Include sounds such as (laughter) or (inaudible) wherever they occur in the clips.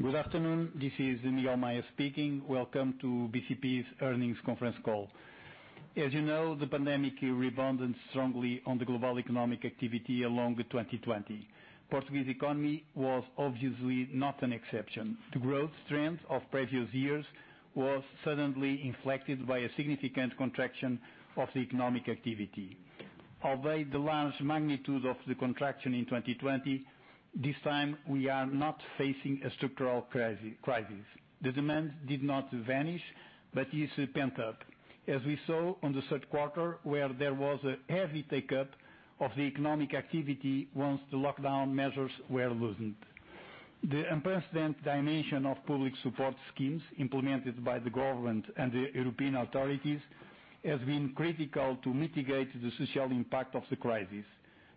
Good afternoon. This is Miguel Maya speaking. Welcome to BCP's earnings conference call. As you know, the pandemic rebounded strongly on the global economic activity along with 2020. Portuguese economy was obviously not an exception. The growth trend of previous years was suddenly inflected by a significant contraction of the economic activity. Albeit the large magnitude of the contraction in 2020, this time we are not facing a structural crisis. The demand did not vanish, but is pent up, as we saw on the third quarter, where there was a heavy take-up of the economic activity once the lockdown measures were loosened. The unprecedented dimension of public support schemes implemented by the government and the European authorities has been critical to mitigate the social impact of the crisis.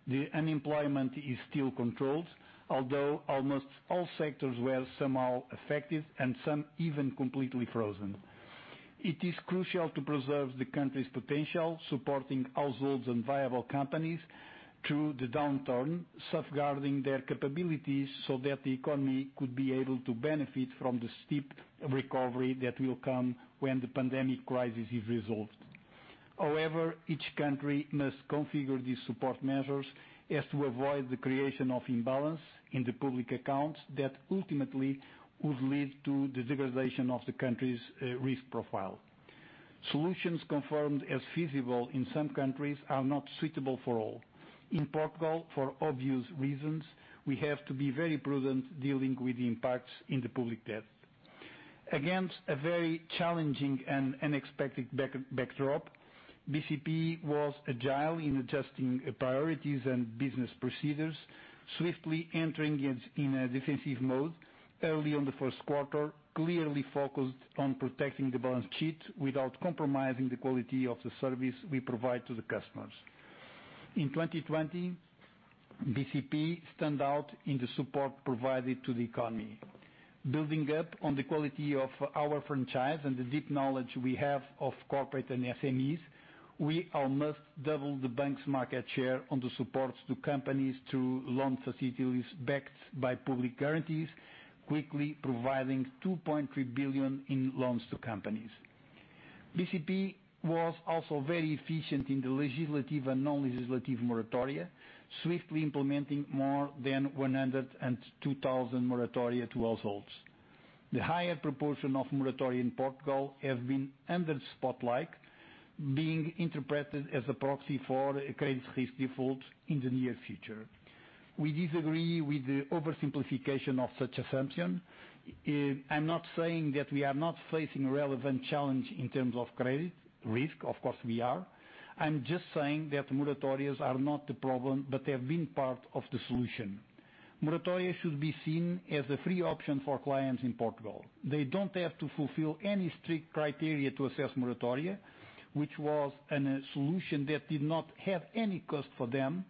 The unemployment is still controlled, although almost all sectors were somehow affected, and some even completely frozen. It is crucial to preserve the country's potential, supporting households and viable companies through the downturn, safeguarding their capabilities so that the economy could be able to benefit from the steep recovery that will come when the pandemic crisis is resolved. Each country must configure these support measures as to avoid the creation of imbalance in the public accounts that ultimately would lead to the degradation of the country's risk profile. Solutions confirmed as feasible in some countries are not suitable for all. In Portugal, for obvious reasons, we have to be very prudent dealing with the impacts in the public debt. Against a very challenging and unexpected backdrop, BCP was agile in adjusting priorities and business procedures, swiftly entering in a defensive mode early in the first quarter, clearly focused on protecting the balance sheet without compromising the quality of the service we provide to the customers. In 2020, BCP stand out in the support provided to the economy. Building up on the quality of our franchise and the deep knowledge we have of corporate and SMEs, we almost doubled the bank's market share on the supports to companies through loan facilities backed by public guarantees, quickly providing 2.3 billion in loans to companies. BCP was also very efficient in the legislative and non-legislative moratoria, swiftly implementing more than 102,000 moratoria to households. The higher proportion of moratoria in Portugal have been under the spotlight, being interpreted as a proxy for a credit risk default in the near future. We disagree with the oversimplification of such assumption. I'm not saying that we are not facing relevant challenge in terms of credit risk. Of course we are. I'm just saying that moratorias are not the problem, but they have been part of the solution. Moratoria should be seen as a free option for clients in Portugal. They don't have to fulfill any strict criteria to access moratoria, which was a solution that did not have any cost for them.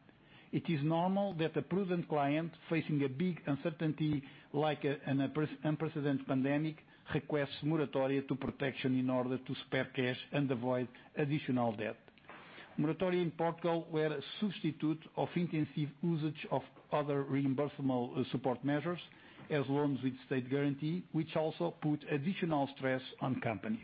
It is normal that a prudent client facing a big uncertainty like an unprecedented pandemic, requests moratoria for protection in order to spare cash and avoid additional debt. moratoria in Portugal were a substitute of intensive usage of other reimbursable support measures as loans with state guarantee, which also put additional stress on companies.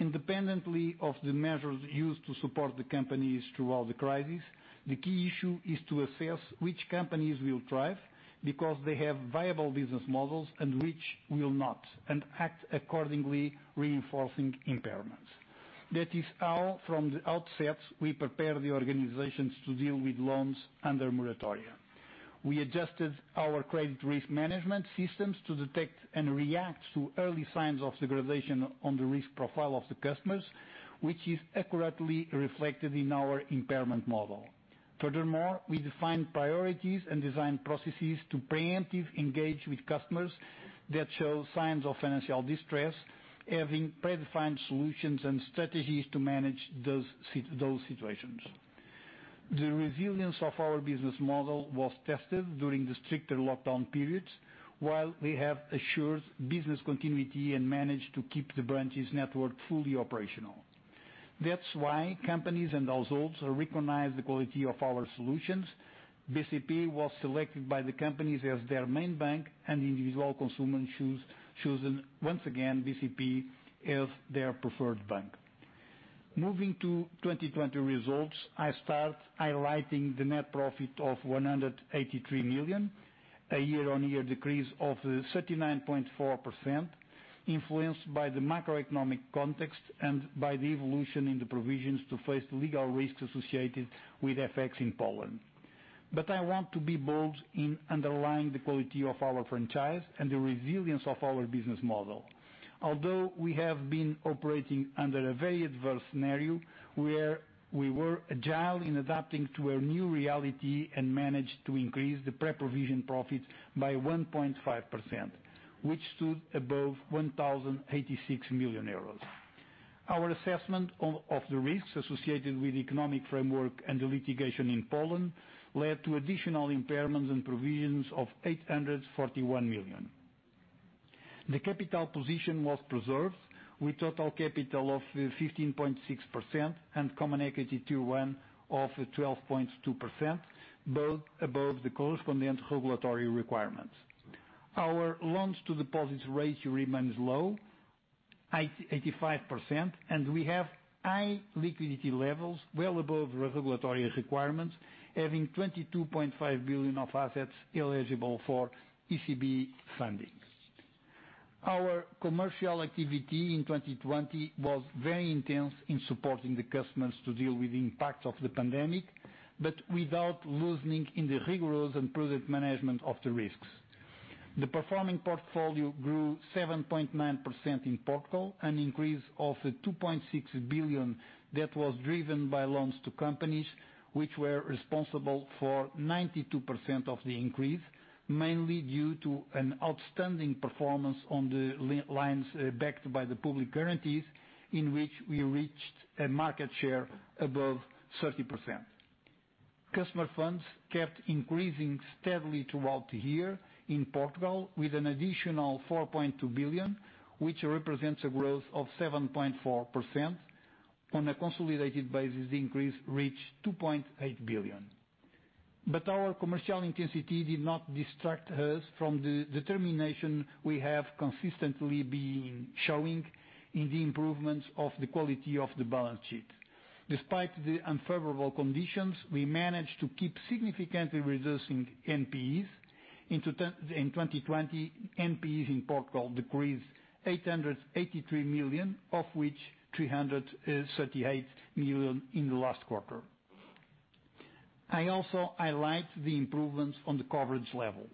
Independently of the measures used to support the companies throughout the crisis, the key issue is to assess which companies will thrive, because they have viable business models, and which will not, and act accordingly, reinforcing impairments. That is how from the outset we prepared the organizations to deal with loans under moratoria. We adjusted our credit risk management systems to detect and react to early signs of degradation on the risk profile of the customers, which is accurately reflected in our impairment model. Furthermore, we defined priorities and designed processes to preemptively engage with customers that show signs of financial distress, having predefined solutions and strategies to manage those situations. The resilience of our business model was tested during the stricter lockdown periods while we have assured business continuity and managed to keep the branches network fully operational. That's why companies and households recognize the quality of our solutions. BCP was selected by the companies as their main bank, and individual consumers chosen once again BCP as their preferred bank. Moving to 2020 results, I start highlighting the net profit of 183 million, a year-on-year decrease of 39.4%, influenced by the macroeconomic context and by the evolution in the provisions to face legal risks associated with FX in Poland. I want to be bold in underlying the quality of our franchise and the resilience of our business model. Although we have been operating under a very adverse scenario, we were agile in adapting to a new reality and managed to increase the pre-provision profits by 1.5%, which stood above 1,086 million euros. Our assessment of the risks associated with economic framework and the litigation in Poland led to additional impairments and provisions of 841 million. The capital position was preserved with total capital of 15.6% and Common Equity Tier 1 of 12.2%, both above the correspondent regulatory requirements. Our loans to deposits ratio remains low, at 85%, and we have high liquidity levels well above regulatory requirements, having 22.5 billion of assets eligible for ECB funding. Our commercial activity in 2020 was very intense in supporting the customers to deal with the impact of the pandemic, but without loosening in the rigorous and prudent management of the risks. The performing portfolio grew 7.9% in Portugal, an increase of 2.6 billion that was driven by loans to companies, which were responsible for 92% of the increase, mainly due to an outstanding performance on the lines backed by the public guarantees, in which we reached a market share above 30%. Customer funds kept increasing steadily throughout the year in Portugal with an additional 4.2 billion, which represents a growth of 7.4%. On a consolidated basis, the increase reached 2.8 billion. Our commercial intensity did not distract us from the determination we have consistently been showing in the improvements of the quality of the balance sheet. Despite the unfavorable conditions, we managed to keep significantly reducing NPEs. In 2020, NPEs in Portugal decreased 883 million, of which 338 million in the last quarter. I also highlight the improvements on the coverage levels.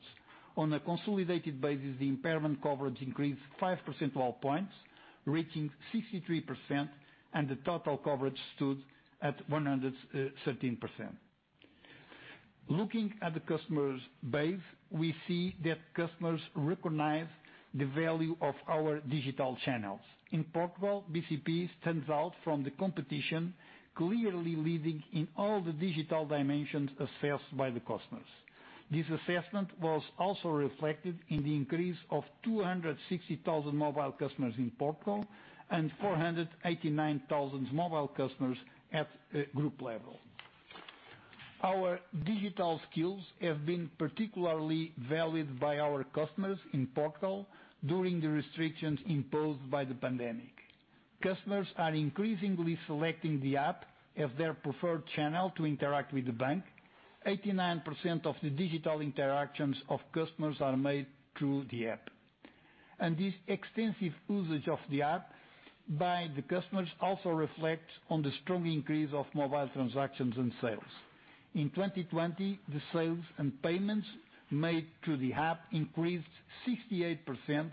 On a consolidated basis, the impairment coverage increased 5 percentile points, reaching 63%, and the total coverage stood at 113%. Looking at the customer base, we see that customers recognize the value of our digital channels. In Portugal, BCP stands out from the competition, clearly leading in all the digital dimensions assessed by the customers. This assessment was also reflected in the increase of 260,000 mobile customers in Portugal and 489,000 mobile customers at group level. Our digital skills have been particularly valued by our customers in Portugal during the restrictions imposed by the pandemic. Customers are increasingly selecting the app as their preferred channel to interact with the bank. 89% of the digital interactions of customers are made through the app. This extensive usage of the app by the customers also reflects on the strong increase of mobile transactions and sales. In 2020, the sales and payments made through the app increased 68%,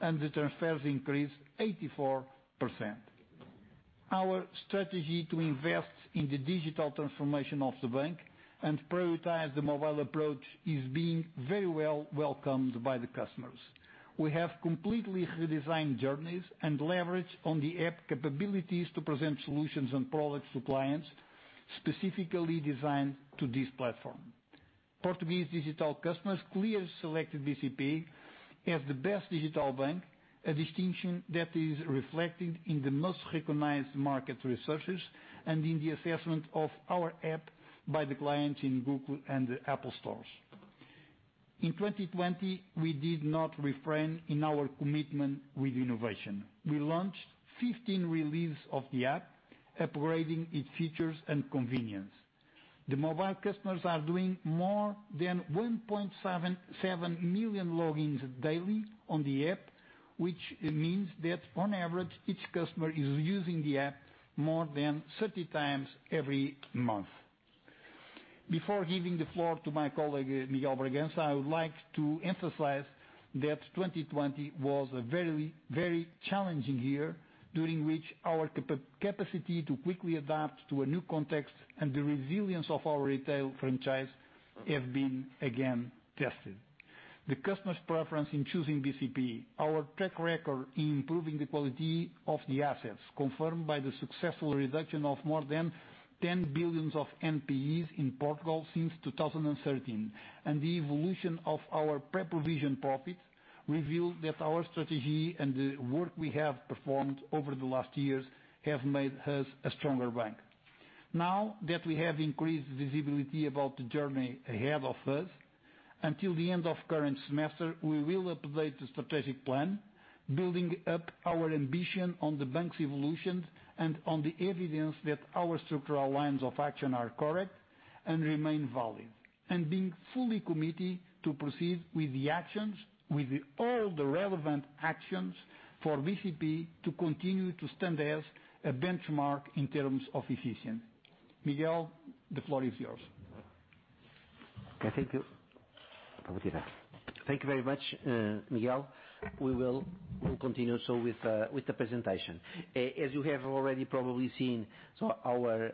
and the transfers increased 84%. Our strategy to invest in the digital transformation of the bank and prioritize the mobile approach is being very well welcomed by the customers. We have completely redesigned journeys and leveraged on the app capabilities to present solutions and products to clients, specifically designed to this platform. Portuguese digital customers clearly selected BCP as the best digital bank, a distinction that is reflected in the most recognized market researches and in the assessment of our app by the clients in Google and the Apple stores. In 2020, we did not refrain in our commitment with innovation. We launched 15 releases of the app, upgrading its features and convenience. The mobile customers are doing more than 1.77 million logins daily on the app, which means that on average, each customer is using the app more than 30 times every month. Before giving the floor to my colleague, Miguel Bragança, I would like to emphasize that 2020 was a very challenging year during which our capacity to quickly adapt to a new context and the resilience of our retail franchise have been again tested. The customer's preference in choosing BCP, our track record in improving the quality of the assets confirmed by the successful reduction of more than 10 billion of NPEs in Portugal since 2013, and the evolution of our pre-provision profits reveal that our strategy and the work we have performed over the last years have made us a stronger bank. Now that we have increased visibility about the journey ahead of us, until the end of current semester, we will update the strategic plan, building up our ambition on the bank's evolution and on the evidence that our structural lines of action are correct and remain valid, and being fully committed to proceed with the actions, with all the relevant actions for BCP to continue to stand as a benchmark in terms of efficiency. Miguel, the floor is yours. Okay. Thank you. Thank you very much, Miguel. We will continue with the presentation. As you have already probably seen, our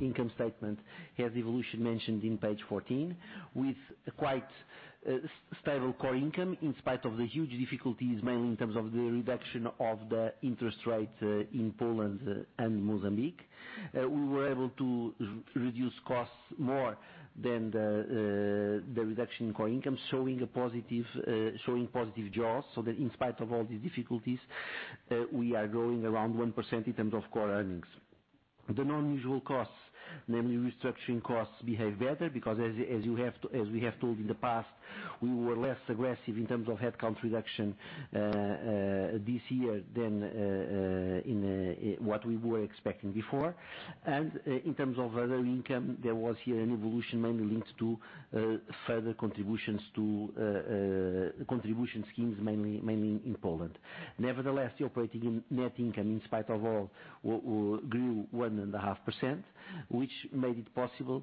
income statement has evolution mentioned on page 14 with quite stable core income in spite of the huge difficulties, mainly in terms of the reduction of the interest rate in Poland and Mozambique. We were able to reduce costs more than the reduction in core income, showing positive jaws, so that in spite of all the difficulties. We are growing around 1% in terms of core earnings. The non-usual costs, mainly restructuring costs, behave better because as we have told in the past, we were less aggressive in terms of headcount reduction this year than in what we were expecting before. In terms of other income, there was here an evolution mainly linked to further contributions to contribution schemes, mainly in Poland. Nevertheless, the operating net income, in spite of all, grew 1.5%, which made it possible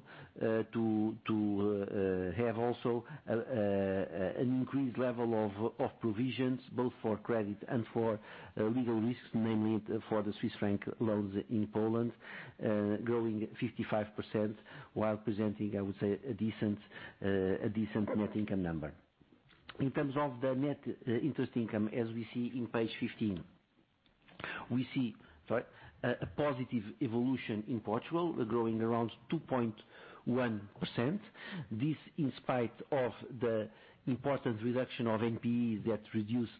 to have also an increased level of provisions, both for credit and for legal risks, mainly for the Swiss franc loans in Poland, growing 55% while presenting, I would say, a decent net income number. In terms of the net interest income, as we see on page 15. We see a positive evolution in Portugal growing around 2.1%. This in spite of the important reduction of NPEs that reduced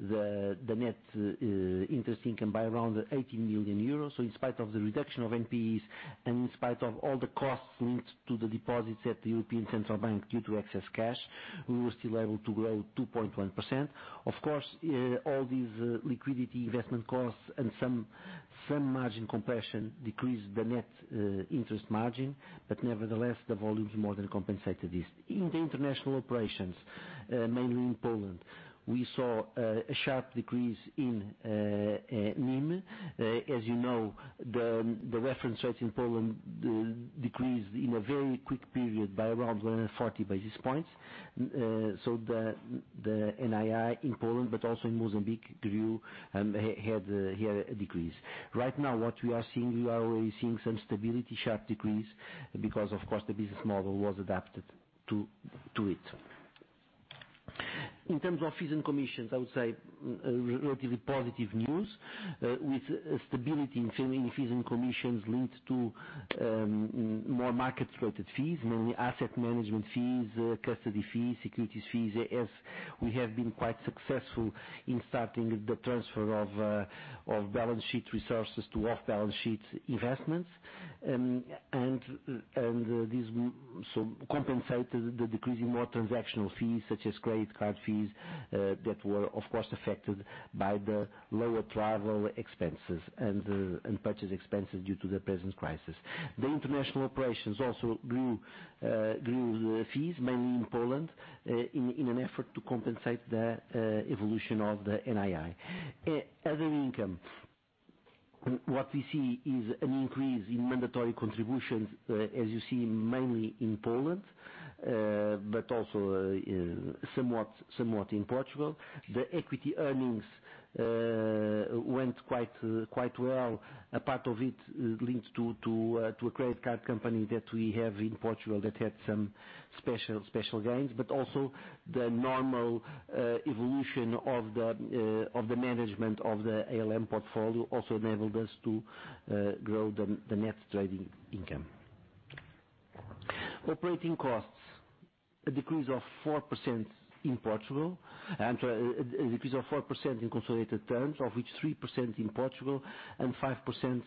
the net interest income by around 18 million euros. In spite of the reduction of NPEs, and in spite of all the costs linked to the deposits at the European Central Bank due to excess cash, we were still able to grow 2.1%. Of course, all these liquidity investment costs and some margin compression decreased the net interest margin, but nevertheless, the volumes more than compensated this. In the international operations, mainly in Poland, we saw a sharp decrease in NIM. As you know, the reference rates in Poland decreased in a very quick period by around 140 basis points. The NII in Poland, but also in Mozambique, grew and had here a decrease. Right now what we are seeing, we are already seeing some stability, sharp decrease, because of course the business model was adapted to it. In terms of fees and commissions, I would say, relatively positive news with stability in fees and commissions linked to more market-related fees, mainly asset management fees, custody fees, securities fees, as we have been quite successful in starting the transfer of balance sheet resources to off-balance sheet investments. This compensated the decrease in more transactional fees such as credit card fees, that were, of course, affected by the lower travel expenses and purchase expenses due to the present crisis. The international operations also grew fees, mainly in Poland, in an effort to compensate the evolution of the NII. Other income. What we see is an increase in mandatory contributions, as you see mainly in Poland, but also somewhat in Portugal. The equity earnings went quite well. A part of it linked to a credit card company that we have in Portugal that had some special gains, but also the normal evolution of the management of the ALM portfolio also enabled us to grow the net trading income. Operating costs, a decrease of 4% in consolidated terms, of which 3% in Portugal and 5%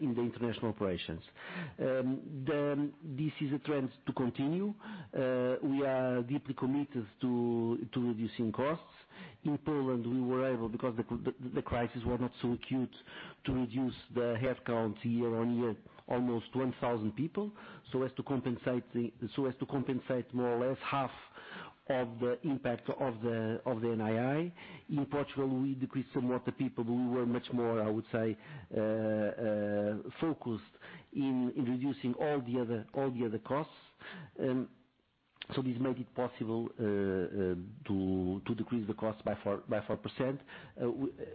in the international operations. This is a trend to continue. We are deeply committed to reducing costs. In Poland, we were able, because the crisis was not so acute, to reduce the headcount year-on-year, almost 1,000 people. As to compensate more or less half of the impact of the NII. In Portugal, we decreased somewhat the people, but we were much more, I would say, focused in reducing all the other costs. This made it possible to decrease the cost by 4%,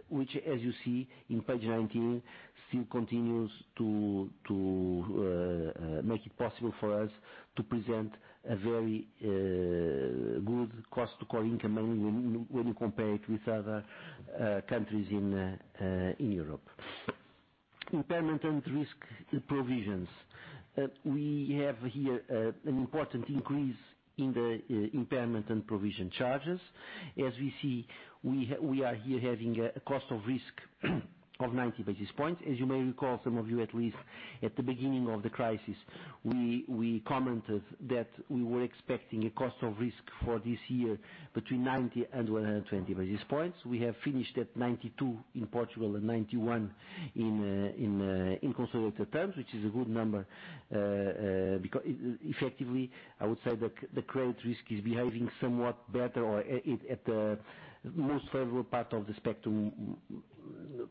which as you see on page 19, still continues to make it possible for us to present a very good cost to core income, mainly when you compare it with other countries in Europe. Impairment and risk provisions. We have here an important increase in the impairment and provision charges. As we see, we are here having a cost of risk of 90 basis points. As you may recall, some of you at least, at the beginning of the crisis, we commented that we were expecting a cost of risk for this year between 90 and 120 basis points. We have finished at 92 in Portugal and 91 in consolidated terms, which is a good number. I would say the credit risk is behaving somewhat better or at the most favorable part of the spectrum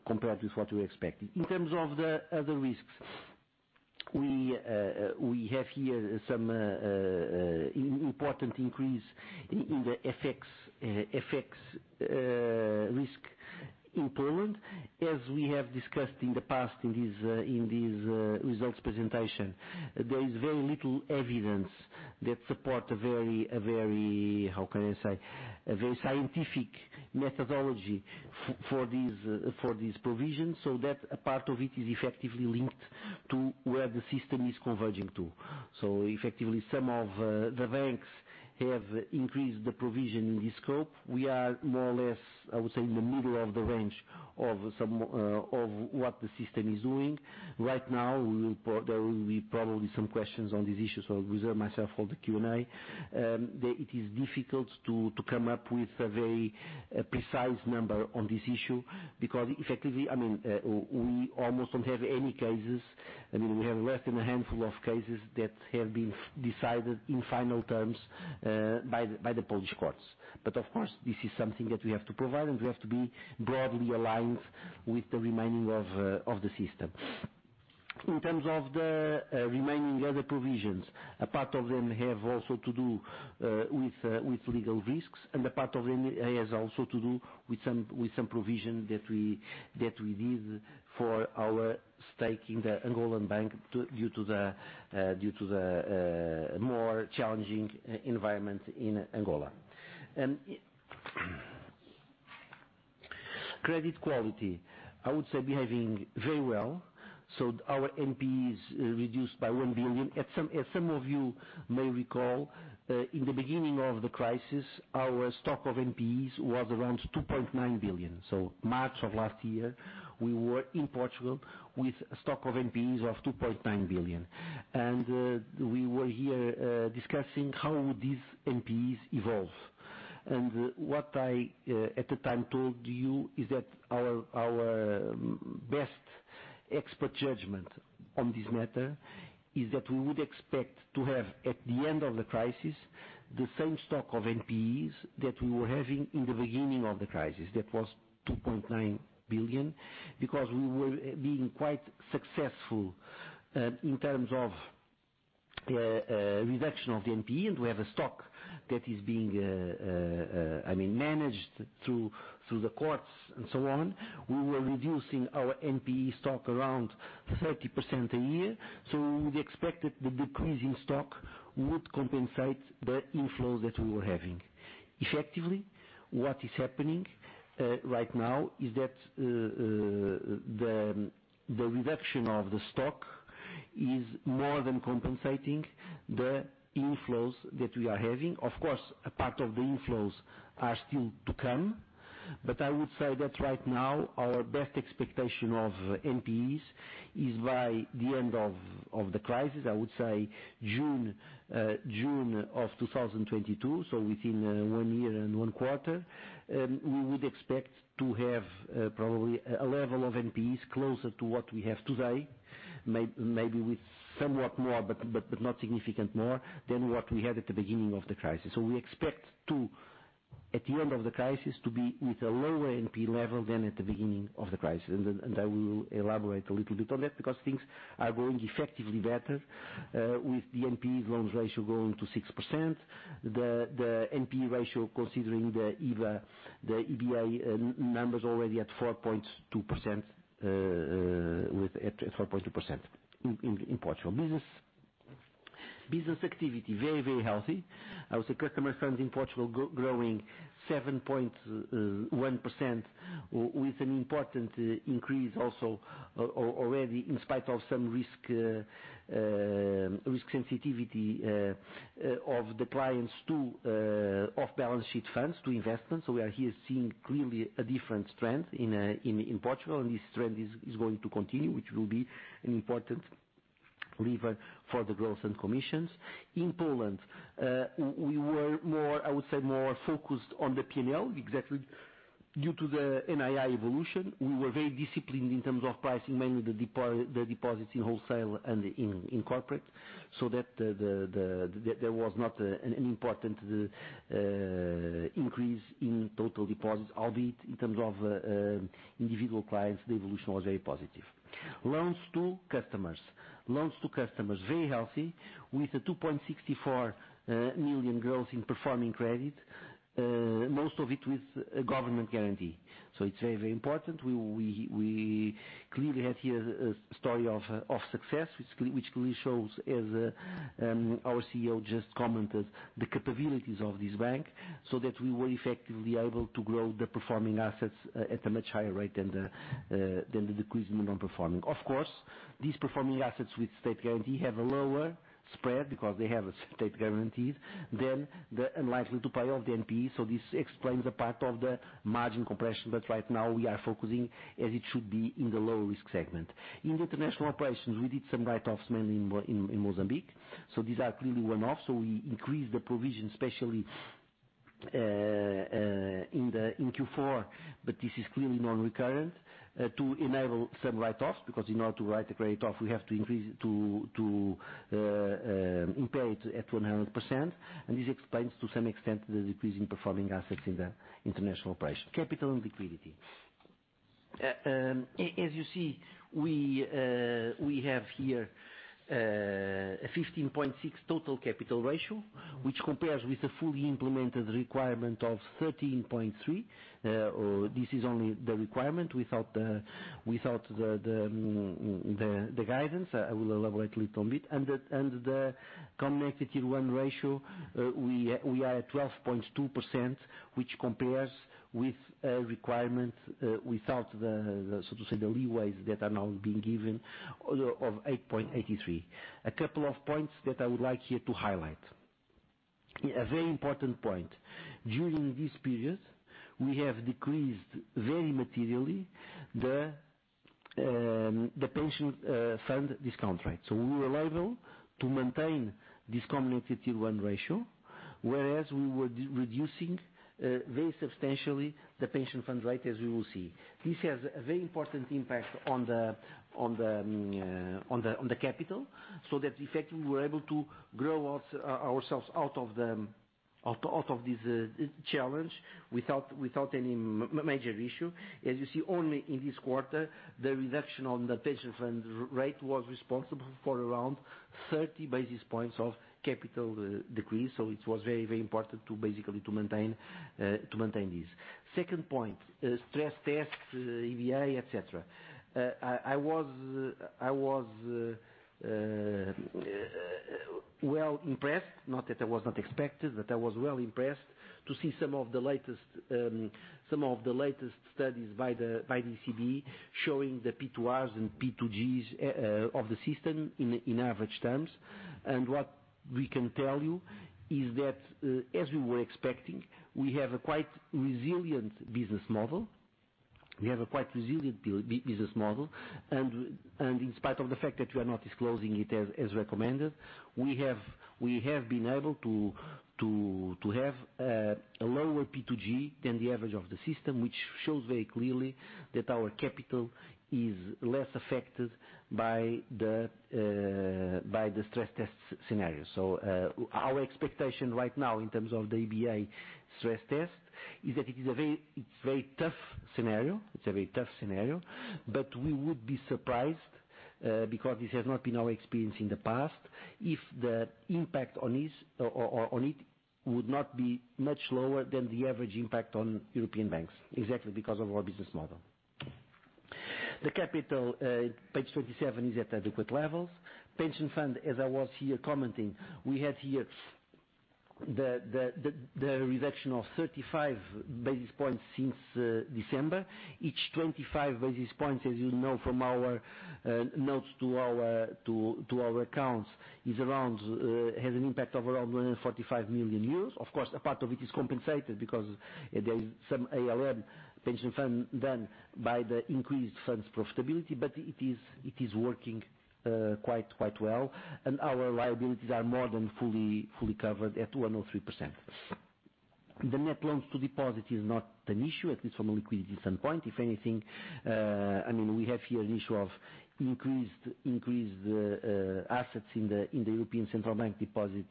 compared with what we expected. In terms of the other risks, we have here some important increase in the FX risk in Poland, as we have discussed in the past in these results presentation, there is very little evidence that support a very, how can I say, a very scientific methodology for these provisions. That part of it is effectively linked to where the system is converging to. Effectively, some of the banks have increased the provision in this scope. We are more or less, I would say, in the middle of the range of what the system is doing. Right now, there will be probably some questions on this issue, so I'll reserve myself for the Q&A. It is difficult to come up with a very precise number on this issue because effectively, we almost don't have any cases. We have less than a handful of cases that have been decided in final terms by the Polish courts. Of course, this is something that we have to provide, and we have to be broadly aligned with the remaining of the system. In terms of the remaining other provisions, a part of them have also to do with legal risks, and a part of it has also to do with some provision that we did for our stake in the Angolan bank due to the more challenging environment in Angola. Credit quality, I would say behaving very well. Our NPEs reduced by 1 billion. As some of you may recall, in the beginning of the crisis, our stock of NPEs was around 2.9 billion. March of last year, we were in Portugal with stock of NPEs of 2.9 billion. We were here discussing how these NPEs evolve. What I, at the time, told you is that our best expert judgment on this matter is that we would expect to have, at the end of the crisis, the same stock of NPEs that we were having in the beginning of the crisis. That was 2.9 billion, because we were being quite successful in terms of reduction of the NPE and we have a stock that is being managed through the courts and so on. We were reducing our NPE stock around 30% a year. We would expect that the decrease in stock would compensate the inflows that we were having. Effectively, what is happening right now is that the reduction of the stock is more than compensating the inflows that we are having. Of course, a part of the inflows are still to come. I would say that right now, our best expectation of NPEs is by the end of the crisis, I would say June of 2022, so within one year and one quarter, we would expect to have probably a level of NPEs closer to what we have today. Maybe with somewhat more, but not significant more than what we had at the beginning of the crisis. We expect to, at the end of the crisis, to be with a lower NPE level than at the beginning of the crisis. I will elaborate a little bit on that because things are going effectively better with the NPE loans ratio going to 6%. The NPE ratio, considering the EBA numbers already at 4.2% in Portugal. Business activity, very, very healthy. I would say customer funds in Portugal growing 7.1% with an important increase also already in spite of some risk sensitivity of the clients to off-balance-sheet funds to investments. We are here seeing clearly a different trend in Portugal, and this trend is going to continue, which will be an important lever for the growth and commissions. In Poland, we were more, I would say, more focused on the P&L, exactly due to the NII evolution. We were very disciplined in terms of pricing, mainly the deposits in wholesale and in corporate, so that there was not an important increase in total deposits, albeit in terms of individual clients, the evolution was very positive. Loans to customers. Loans to customers, very healthy, with a 2.64 million growth in performing credit, most of it with government guarantee. It's very, very important. We clearly had here a story of success, which clearly shows, as our CEO just commented, the capabilities of this bank, so that we were effectively able to grow the performing assets at a much higher rate than the decrease in non-performing. Of course, these performing assets with state guarantee have a lower spread because they have state guarantees than the unlikely to pay of the NPE. This explains a part of the margin compression. Right now we are focusing, as it should be, in the low-risk segment. In international operations, we did some write-offs mainly in Mozambique. These are clearly one-off. We increased the provision, especially in Q4, but this is clearly non-recurrent, to enable some write-offs, because in order to write a credit off, we have to impair it at 100%. This explains to some extent the decrease in performing assets in the international operation. Capital and liquidity. As you see, we have here a 15.6% total capital ratio, which compares with the fully implemented requirement of 13.3%. This is only the requirement without the guidance. I will elaborate a little bit on it. The Common Equity Tier 1 ratio, we are at 12.2%, which compares with a requirement without the leeways that are now being given of 8.83%. A couple of points that I would like here to highlight. A very important point, during this period, we have decreased very materially the pension fund discount rate. We were able to maintain this Common Equity Tier 1 ratio, whereas we were reducing very substantially the pension fund rate as we will see. This has a very important impact on the capital, so that effectively, we were able to grow ourselves out of this challenge without any major issue. As you see, only in this quarter, the reduction on the pension fund rate was responsible for around 30 basis points of capital decrease. It was very important to basically maintain this. Second point, stress tests, EBA, et cetera. I was well impressed, not that I was not expected, but I was well impressed to see some of the latest studies by the ECB showing the P2Rs and P2Gs of the system in average terms. What we can tell you is that, as we were expecting, we have a quite resilient business model. In spite of the fact that we are not disclosing it as recommended, we have been able to have a lower P2G than the average of the system, which shows very clearly that our capital is less affected by the stress test scenario. Our expectation right now in terms of the EBA stress test is that it's a very tough scenario. We would be surprised, because this has not been our experience in the past, if the impact on it would not be much lower than the average impact on European banks, exactly because of our business model. The capital, page 27, is at adequate levels. Pension fund, as I was here commenting, we have here the reduction of 35 basis points since December, each 25 basis points, as you know from our notes to our accounts has an impact of around 145 million euros. Of course, a part of it is compensated because there is some ALM pension fund done by the increased funds profitability, but it is working quite well. Our liabilities are more than fully covered at 103%. The net loans to deposit is not an issue, at least from a liquidity standpoint. If anything, we have here an issue of increased assets in the European Central Bank deposits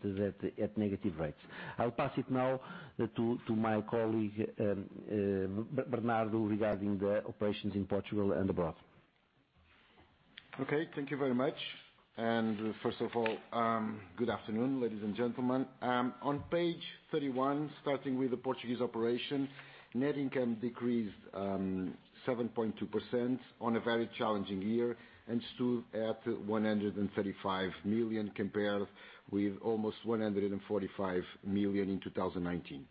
at negative rates. I'll pass it now to my colleague, Bernardo, regarding the operations in Portugal and abroad. Okay, thank you very much. First of all, good afternoon, ladies and gentlemen. On page 31, starting with the Portuguese operation, net income decreased 7.2% on a very challenging year and stood at 135 million compared with almost 145 million in 2019.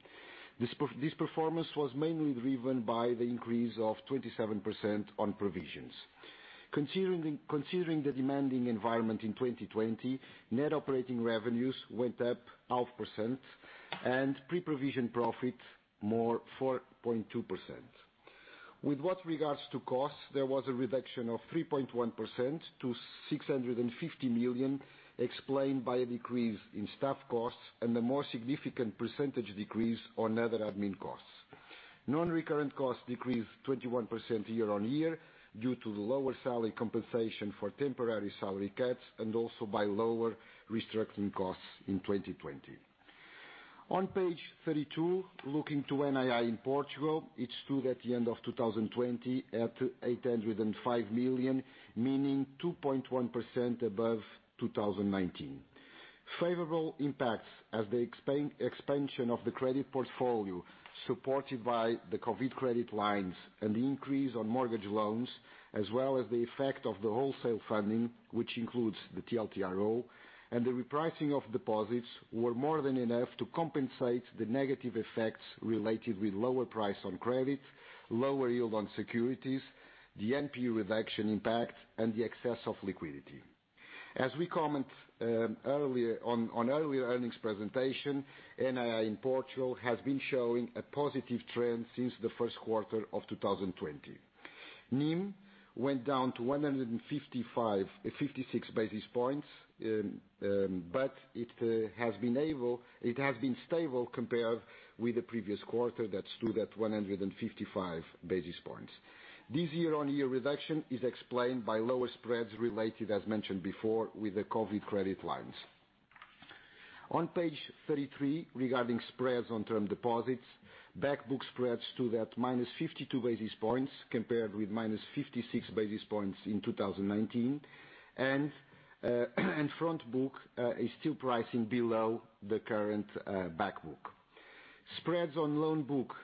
This performance was mainly driven by the increase of 27% on provisions. Considering the demanding environment in 2020, net operating revenues went up 0.5% and pre-provision profit more 4.2%. With what regards to costs, there was a reduction of 3.1% to 650 million, explained by a decrease in staff costs and a more significant percentage decrease on other admin costs. Non-recurrent costs decreased 21% year-on-year due to the lower salary compensation for temporary salary cuts and also by lower restructuring costs in 2020. On page 32, looking to NII in Portugal, it stood at the end of 2020 at 805 million, meaning 2.1% above 2019. Favorable impacts as the expansion of the credit portfolio supported by the COVID credit lines and the increase on mortgage loans, as well as the effect of the wholesale funding, which includes the TLTRO and the repricing of deposits, were more than enough to compensate the negative effects related with lower price on credit, lower yield on securities, the NPE reduction impact, and the excess of liquidity. As we comment on earlier earnings presentation, NII in Portugal has been showing a positive trend since the first quarter of 2020. NIM went down to 156 basis points, but it has been stable compared with the previous quarter that stood at 155 basis points. This year-on-year reduction is explained by lower spreads related, as mentioned before, with the COVID credit lines. On page 33, regarding spreads on term deposits, back book spreads stood at -52 basis points compared with -56 basis points in 2019, and front book is still pricing below the current back book. Spreads on loan book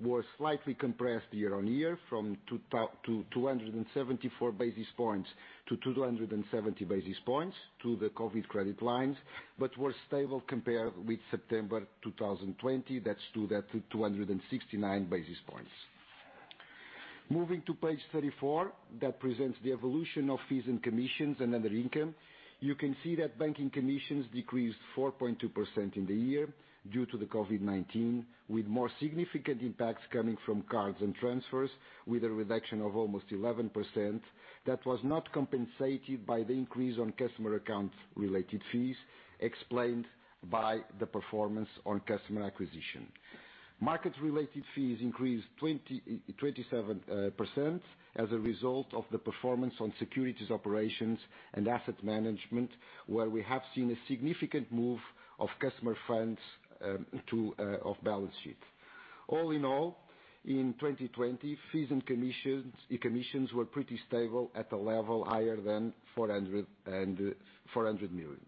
were slightly compressed year-on-year from 274 basis points to 270 basis points to the COVID credit lines, but were stable compared with September 2020. That stood at 269 basis points. Moving to page 34, that presents the evolution of fees and commissions and other income. You can see that banking commissions decreased 4.2% in the year due to the COVID-19, with more significant impacts coming from cards and transfers, with a reduction of almost 11% that was not compensated by the increase on customer account-related fees explained by the performance on customer acquisition. Market-related fees increased 27% as a result of the performance on securities operations and asset management, where we have seen a significant move of customer funds off balance sheet. All in all, in 2020, fees and commissions were pretty stable at a level higher than 400 million.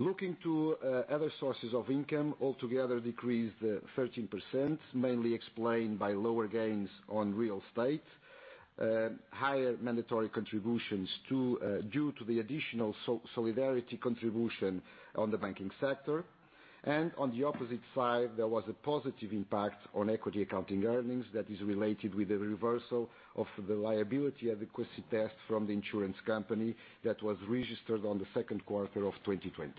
Looking to other sources of income altogether decreased 13%, mainly explained by lower gains on real estate, higher mandatory contributions due to the additional solidarity contribution on the banking sector. On the opposite side, there was a positive impact on equity accounting earnings that is related with the reversal of the liability adequacy test from the insurance company that was registered on the second quarter of 2020.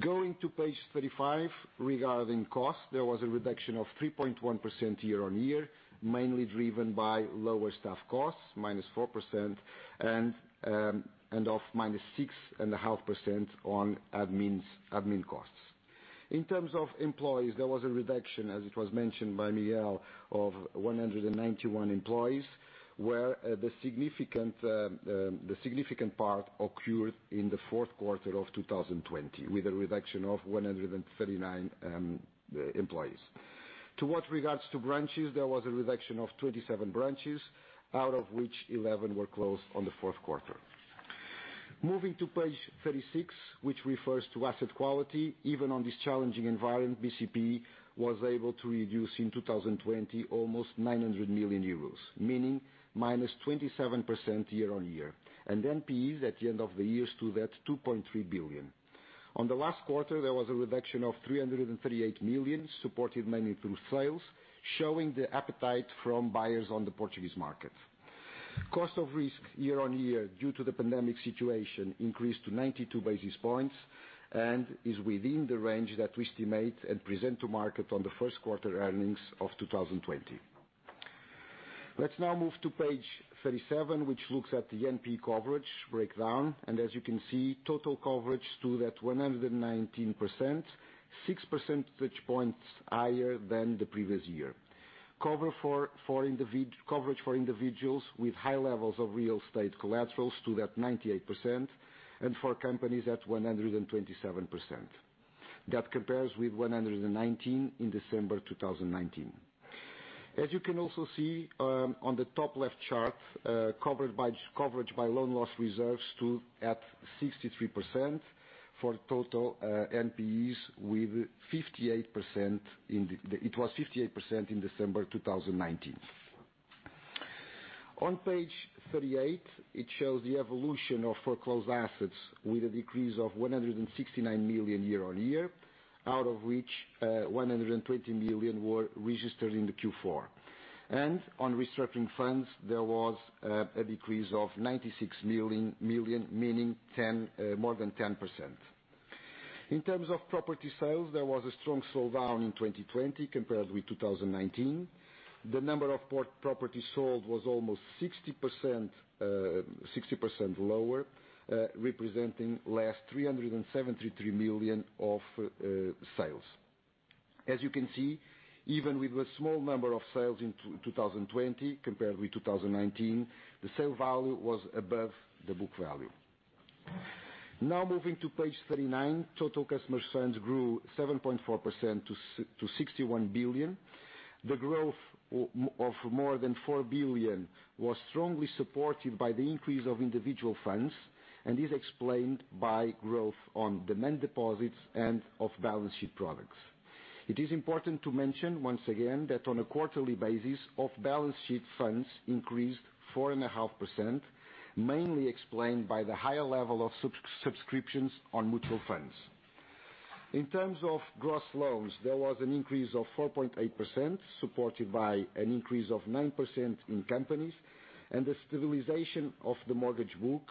Going to page 35 regarding costs, there was a reduction of 3.1% year-on-year, mainly driven by lower staff costs, -4%, and of -6.5% on admin costs. In terms of employees, there was a reduction, as it was mentioned by Miguel, of 191 employees, where the significant part occurred in the fourth quarter of 2020 with a reduction of 139 employees. With regards to branches, there was a reduction of 27 branches, out of which 11 were closed on the fourth quarter. Moving to page 36, which refers to asset quality. Even on this challenging environment, BCP was able to reduce in 2020 almost 900 million euros, meaning -27% year-over-year. NPEs at the end of the year stood at 2.3 billion. On the last quarter, there was a reduction of 338 million, supported mainly through sales, showing the appetite from buyers on the Portuguese market. Cost of risk year-over-year due to the pandemic situation increased to 92 basis points and is within the range that we estimate and present to market on the first quarter earnings of 2020. Let's now move to page 37, which looks at the NPE coverage breakdown. As you can see, total coverage stood at 119%, 6 percentage points higher than the previous year. Coverage for individuals with high levels of real estate collaterals stood at 98%, and for companies at 127%. That compares with 119% in December 2019. As you can also see, on the top left chart, coverage by loan loss reserves stood at 63% for total NPEs. It was 58% in December 2019. On page 38, it shows the evolution of foreclosed assets with a decrease of 169 million year-over-year, out of which 120 million were registered in the Q4. On restructuring funds, there was a decrease of 96 million, meaning more than 10%. In terms of property sales, there was a strong slowdown in 2020 compared with 2019. The number of properties sold was almost 60% lower, representing less 373 million of sales. As you can see, even with a small number of sales in 2020 compared with 2019, the sale value was above the book value. Moving to page 39, total customer funds grew 7.4% to 61 billion. The growth of more than 4 billion was strongly supported by the increase of individual funds, and is explained by growth on demand deposits and off balance sheet products. It is important to mention once again that on a quarterly basis, off balance sheet funds increased 4.5%, mainly explained by the higher level of subscriptions on mutual funds. In terms of gross loans, there was an increase of 4.8%, supported by an increase of 9% in companies and the stabilization of the mortgage book.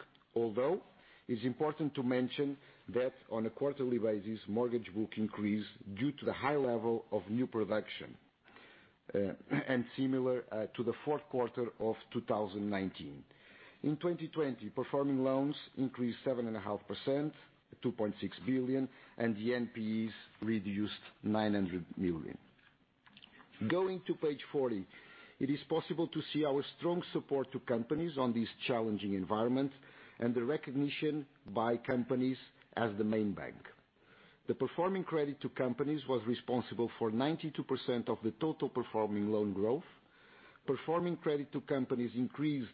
It's important to mention that on a quarterly basis, mortgage book increased due to the high level of new production, and similar to the fourth quarter of 2019. In 2020, performing loans increased 7.5%, 2.6 billion, and the NPEs reduced 900 million. Going to page 40, it is possible to see our strong support to companies on these challenging environments and the recognition by companies as the main bank. The performing credit to companies was responsible for 92% of the total performing loan growth. Performing credit to companies increased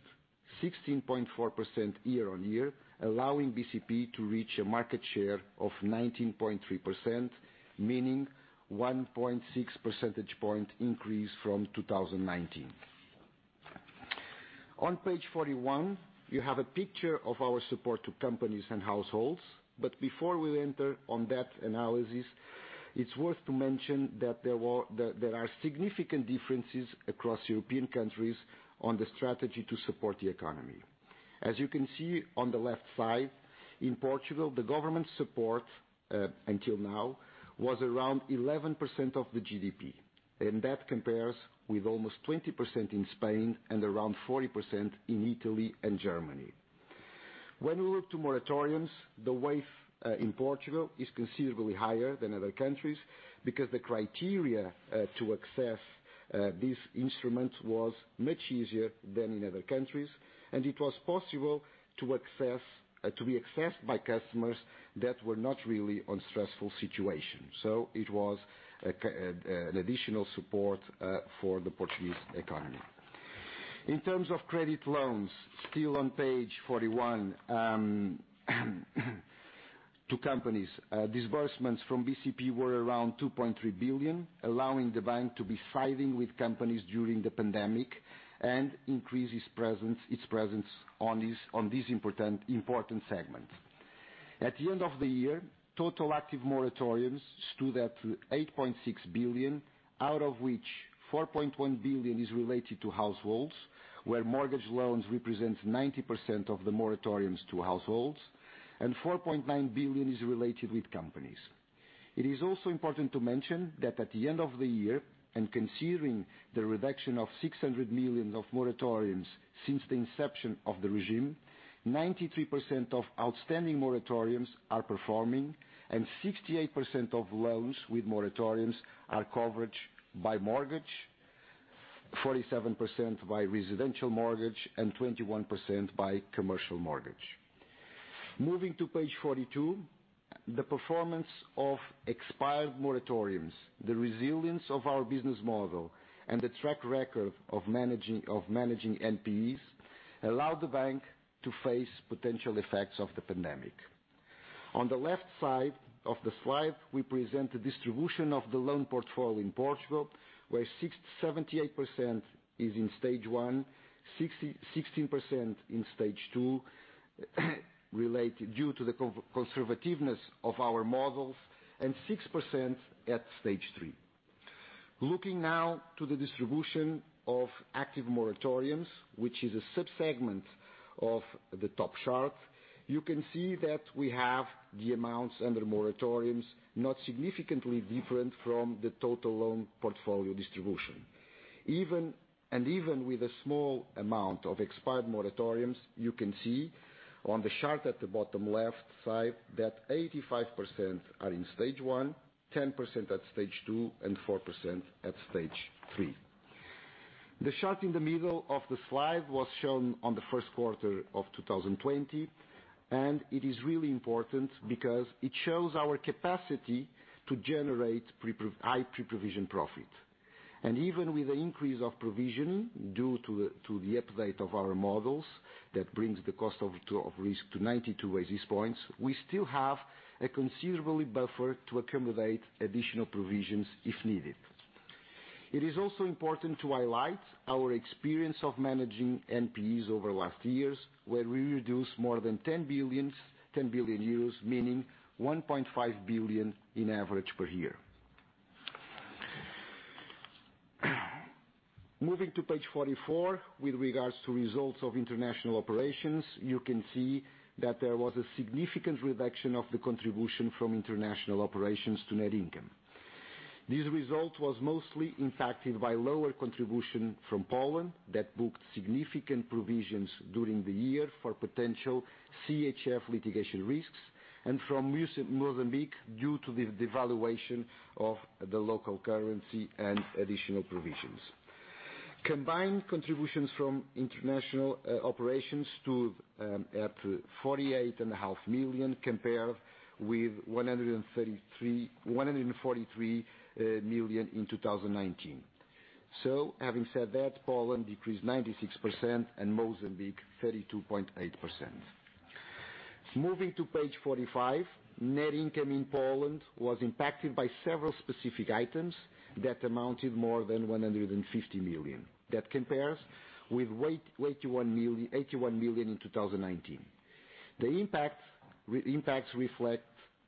16.4% year-on-year, allowing BCP to reach a market share of 19.3%, meaning 1.6 percentage point increase from 2019. On page 41, you have a picture of our support to companies and households. Before we enter on that analysis, it's worth to mention that there are significant differences across European countries on the strategy to support the economy. As you can see on the left side, in Portugal, the government support, until now, was around 11% of the GDP. That compares with almost 20% in Spain and around 40% in Italy and Germany. When we look to moratoriums, the wave in Portugal is considerably higher than other countries because the criteria to access these instruments was much easier than in other countries, and it was possible to be accessed by customers that were not really on stressful situations. It was an additional support for the Portuguese economy. In terms of credit loans, still on page 41 to companies, disbursements from BCP were around 2.3 billion, allowing the bank to be siding with companies during the pandemic and increase its presence on this important segment. At the end of the year, total active moratoriums stood at 8.6 billion, out of which 4.1 billion is related to households, where mortgage loans represents 90% of the moratoriums to households, and 4.9 billion is related with companies. It is also important to mention that at the end of the year, and considering the reduction of 600 million of moratoriums since the inception of the regime, 93% of outstanding moratoriums are performing and 68% of loans with moratoriums are covered by mortgage, 47% by residential mortgage, and 21% by commercial mortgage. Moving to page 42, the performance of expired moratoriums, the resilience of our business model, and the track record of managing NPEs allowed the bank to face potential effects of the pandemic. On the left side of the slide, we present the distribution of the loan portfolio in Portugal, where 78% is in Stage 1, 16% in Stage 2, due to the conservativeness of our models, and 6% at Stage 3. Looking now to the distribution of active moratoriums, which is a sub-segment of the top chart, you can see that we have the amounts under moratoriums not significantly different from the total loan portfolio distribution. Even with a small amount of expired moratoriums, you can see on the chart at the bottom left side that 85% are in Stage 1, 10% at Stage 2, and 4% at Stage 3. The chart in the middle of the slide was shown on the first quarter of 2020. It is really important because it shows our capacity to generate high pre-provision profit. Even with the increase of provision, due to the update of our models, that brings the cost of risk to 92 basis points, we still have a considerably buffer to accommodate additional provisions if needed. It is also important to highlight our experience of managing NPEs over last years, where we reduce more than 10 billion, meaning 1.5 billion in average per year. Moving to page 44, with regards to results of international operations, you can see that there was a significant reduction of the contribution from international operations to net income. This result was mostly impacted by lower contribution from Poland that booked significant provisions during the year for potential CHF litigation risks, and from Mozambique due to the devaluation of the local currency and additional provisions. Combined contributions from international operations stood at 48.5 million, compared with 143 million in 2019. Poland decreased 96% and Mozambique 32.8%. Moving to page 45, net income in Poland was impacted by several specific items that amounted more than 150 million. That compares with 81 million in 2019. The impacts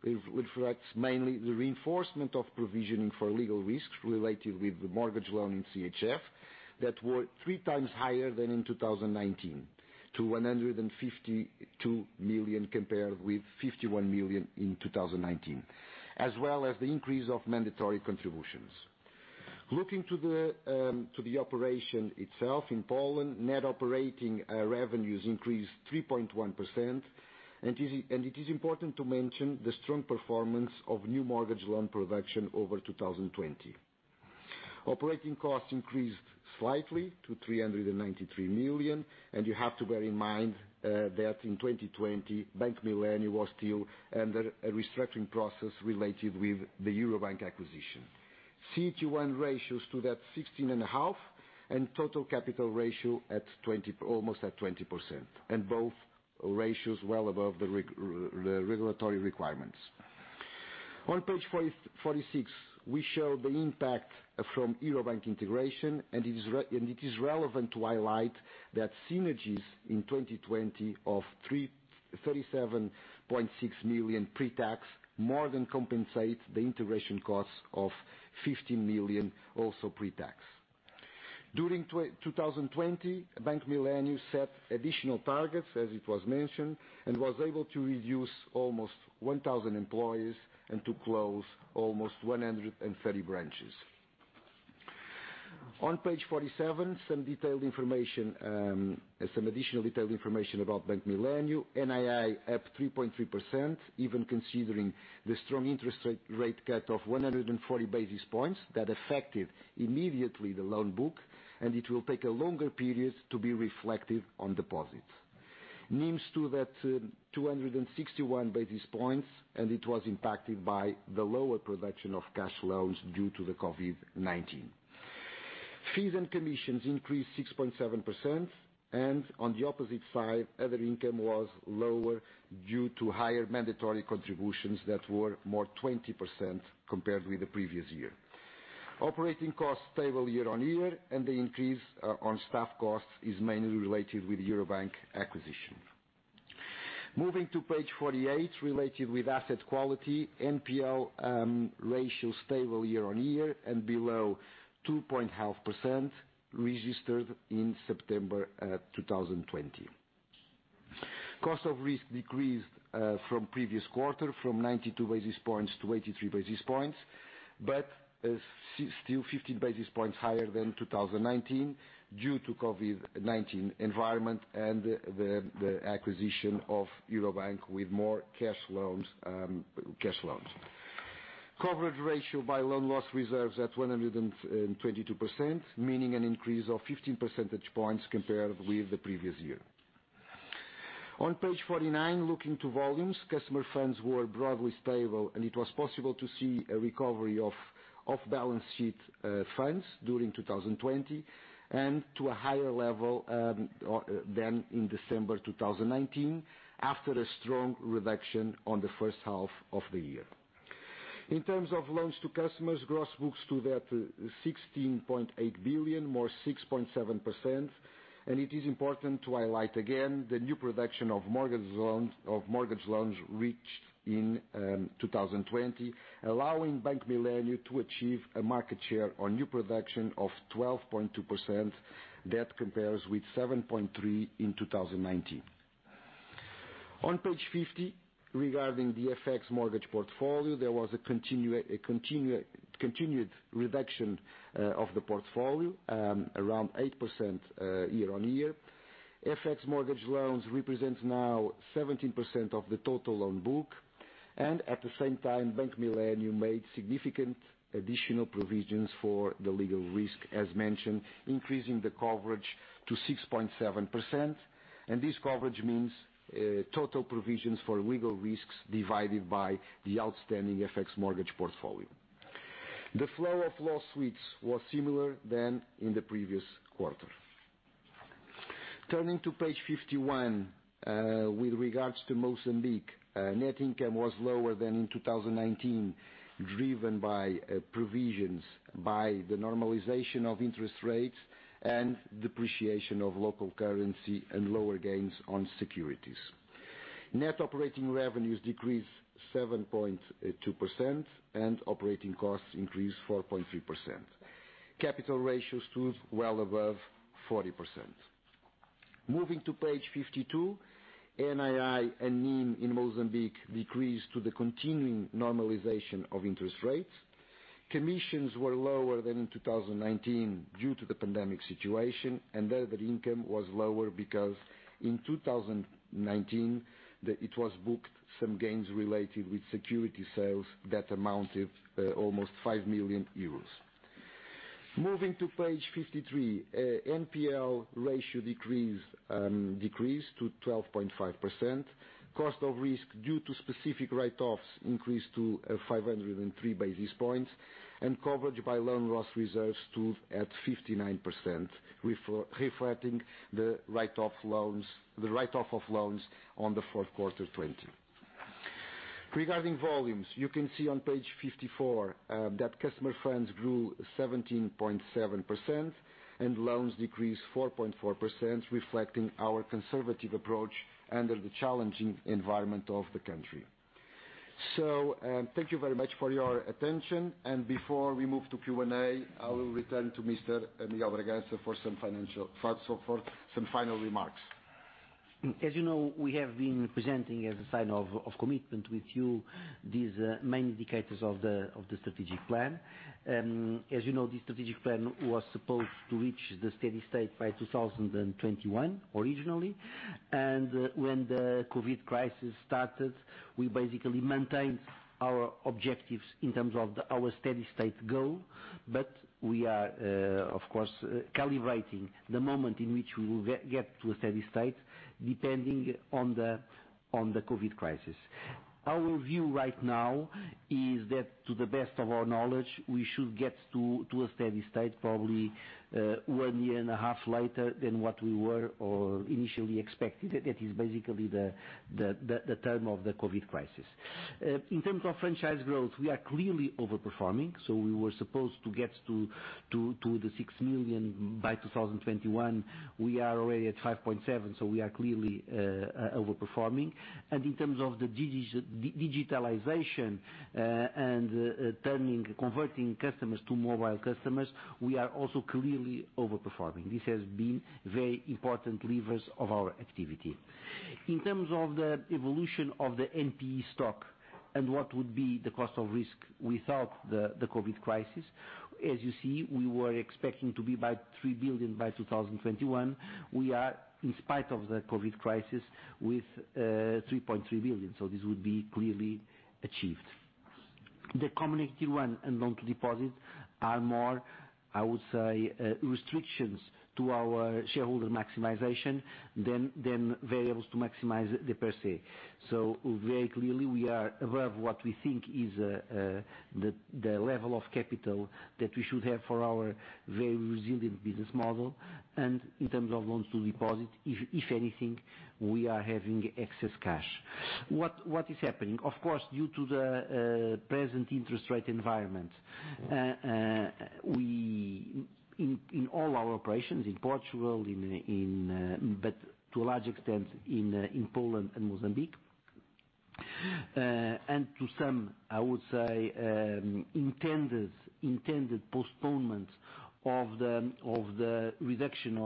reflects mainly the reinforcement of provisioning for legal risks related with the mortgage loan in CHF that were three times higher than in 2019 to 152 million compared with 51 million in 2019, as well as the increase of mandatory contributions. Looking to the operation itself in Poland, net operating revenues increased 3.1%. It is important to mention the strong performance of new mortgage loan production over 2020. Operating costs increased slightly to 393 million. You have to bear in mind that in 2020, Bank Millennium was still under a restructuring process related with the Euro Bank acquisition. CET1 ratios stood at 16.5% and total capital ratio almost at 20%. Both ratios well above the regulatory requirements. On page 46, we show the impact from Euro Bank integration. It is relevant to highlight that synergies in 2020 of 37.6 million pre-tax more than compensates the integration costs of 15 million, also pre-tax. During 2020, Bank Millennium set additional targets, as it was mentioned, and was able to reduce almost 1,000 employees and to close almost 130 branches. On page 47, some additional detailed information about Bank Millennium. NII up 3.3%, even considering the strong interest rate cut of 140 basis points that affected immediately the loan book, and it will take a longer period to be reflected on deposits. NIMs stood at 261 basis points, and it was impacted by the lower production of cash loans due to the COVID-19. Fees and commissions increased 6.7%, and on the opposite side, other income was lower due to higher mandatory contributions that were more 20% compared with the previous year. Operating costs stable year-on-year, and the increase on staff costs is mainly related with Euro Bank acquisition. Moving to page 48, related with asset quality, NPL ratio stable year-on-year and below 2.5% registered in September 2020. Cost of risk decreased from previous quarter, from 92 basis points to 83 basis points, still 50 basis points higher than 2019 due to COVID-19 environment and the acquisition of Euro Bank with more cash loans. Coverage ratio by loan loss reserves at 122%, meaning an increase of 15 percentage points compared with the previous year. On page 49, looking to volumes, customer funds were broadly stable, it was possible to see a recovery of off-balance sheet funds during 2020 and to a higher level than in December 2019, after a strong reduction on the first half of the year. In terms of loans to customers, gross books stood at 16.8 billion, more 6.7%, it is important to highlight again the new production of mortgage loans reached in 2020, allowing Bank Millennium to achieve a market share on new production of 12.2%. That compares with 7.3% in 2019. On page 50, regarding the FX mortgage portfolio, there was a continued reduction of the portfolio, around 8% year-on-year. FX mortgage loans represent now 17% of the total loan book. At the same time, Bank Millennium made significant additional provisions for the legal risk, as mentioned, increasing the coverage to 6.7%. This coverage means total provisions for legal risks divided by the outstanding FX mortgage portfolio. The flow of lawsuits was similar to in the previous quarter. Turning to page 51, with regards to Mozambique, net income was lower than in 2019, driven by provisions by the normalization of interest rates and depreciation of local currency and lower gains on securities. Net operating revenues decreased 7.2%. Operating costs increased 4.3%. Capital ratios stood well above 40%. Moving to page 52, NII and NIM in Mozambique decreased due to the continuing normalization of interest rates. Commissions were lower than in 2019 due to the pandemic situation, and the other income was lower because in 2019 it was booked some gains related with security sales that amounted almost 5 million euros. Moving to page 53, NPL ratio decreased to 12.5%. Cost of risk due to specific write-offs increased to 503 basis points, and coverage by loan loss reserves stood at 59%, reflecting the write-off of loans on the fourth quarter 2020. Regarding volumes, you can see on page 54 that customer funds grew 17.7% and loans decreased 4.4%, reflecting our conservative approach under the challenging environment of the country. Thank you very much for your attention. Before we move to Q&A, I will return to Mr. Miguel Bragança for some final remarks. As you know, we have been presenting as a sign of commitment with you these main indicators of the strategic plan. As you know, this strategic plan was supposed to reach the steady state by 2021, originally. When the COVID crisis started, we basically maintained our objectives in terms of our steady state goal, but we are, of course, calibrating the moment in which we will get to a steady state depending on the COVID crisis. Our view right now is that to the best of our knowledge, we should get to a steady state probably one year and a half later than what we were initially expecting. That is basically the term of the COVID crisis. In terms of franchise growth, we are clearly over-performing. We were supposed to get to the 6 million by 2021. We are already at 5.7 million. We are clearly over-performing. In terms of the digitalization and converting customers to mobile customers, we are also clearly over-performing. This has been very important levers of our activity. In terms of the evolution of the NPE stock and what would be the cost of risk without the COVID crisis, as you see, we were expecting to be by 3 billion by 2021. We are, in spite of the COVID crisis, with 3.3 billion. This would be clearly achieved. The Common Equity Tier 1 and loan-to-deposit are more, I would say, restrictions to our shareholder maximization than variables to maximize it per se. Very clearly, we are above what we think is the level of capital that we should have for our very resilient business model. In terms of loans-to-deposit, if anything, we are having excess cash. What is happening? Of course, due to the present interest rate environment, in all our operations, in Portugal, but to a large extent in Poland and Mozambique, and to some, I would say, intended postponement of the reduction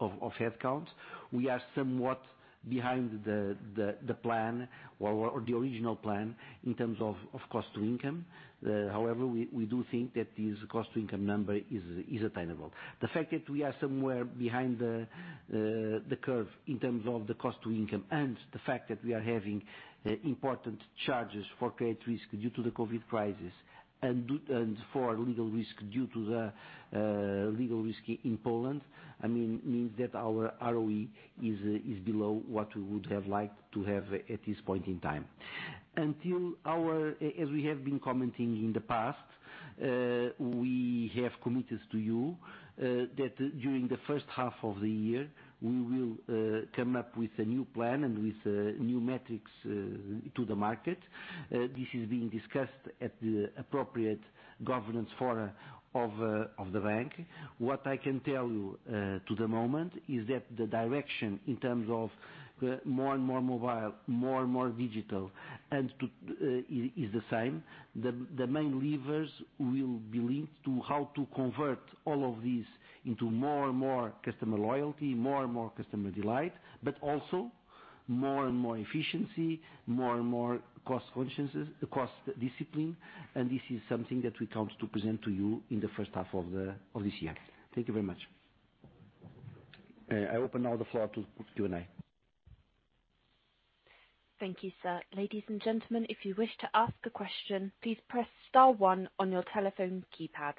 of headcount, we are somewhat behind the plan or the original plan in terms of cost to income. We do think that this cost to income number is attainable. The fact that we are somewhere behind the curve in terms of the cost to income, and the fact that we are having important charges for credit risk due to the COVID crisis and for legal risk due to the legal risk in Poland, means that our ROE is below what we would have liked to have at this point in time. As we have been commenting in the past, we have committed to you that during the first half of the year, we will come up with a new plan and with new metrics to the market. This is being discussed at the appropriate governance forum of the bank. What I can tell you at the moment is that the direction in terms of more and more mobile, more and more digital is the same. The main levers will be linked to how to convert all of this into more and more customer loyalty, more and more customer delight, but also more and more efficiency, more and more cost discipline. This is something that we count to present to you in the first half of this year. Thank you very much. I open now the floor to Q&A. Thank you, sir. Ladies and gentlemen, if you wish to ask a question, please press star one on your telephone keypad.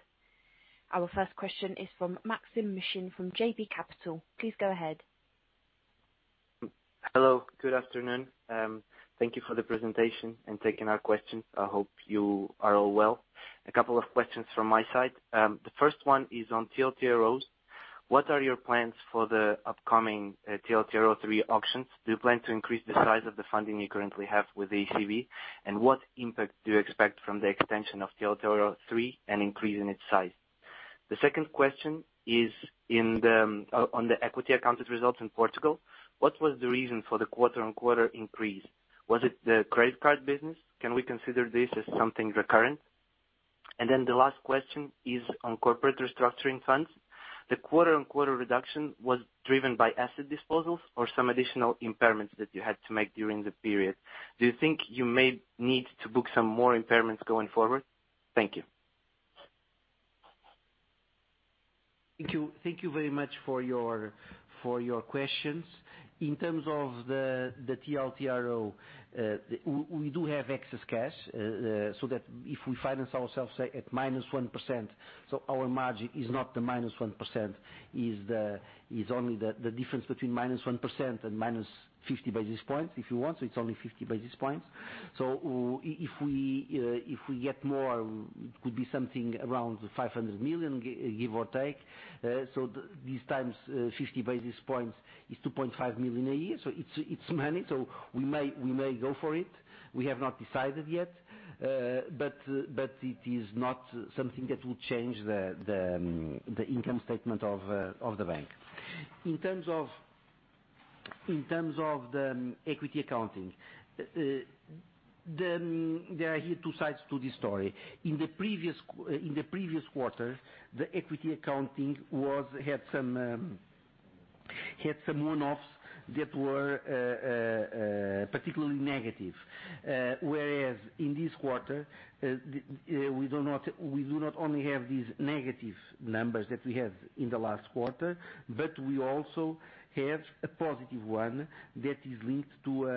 Our first question is from Maksym Mishyn from JB Capital. Please go ahead. Hello, good afternoon. Thank you for the presentation and taking our questions. I hope you are all well. A couple of questions from my side. The first one is on TLTROs. What are your plans for the upcoming TLTRO III auctions? Do you plan to increase the size of the funding you currently have with the ECB? What impact do you expect from the extension of TLTRO III and increase in its size? The second question is on the equity accounted results in Portugal. What was the reason for the quarter on quarter increase? Was it the credit card business? Can we consider this as something recurrent? The last question is on corporate restructuring funds. The quarter on quarter reduction was driven by asset disposals or some additional impairments that you had to make during the period. Do you think you may need to book some more impairments going forward? Thank you. Thank you very much for your questions. In terms of the TLTRO, we do have excess cash, so that if we finance ourselves, say at minus 1%, our margin is not the minus 1%, it's only the difference between -1% and -50 basis points, if you want. It's only 50 basis points. If we get more, it could be something around 500 million, give or take. These times 50 basis points is 2.5 million a year. It's money. We may go for it. We have not decided yet. It is not something that will change the income statement of the bank. In terms of the equity accounting, there are here two sides to this story. In the previous quarter, the equity accounting had some one-offs that were particularly negative. In this quarter, we do not only have these negative numbers that we had in the last quarter, but we also have a positive one that is linked to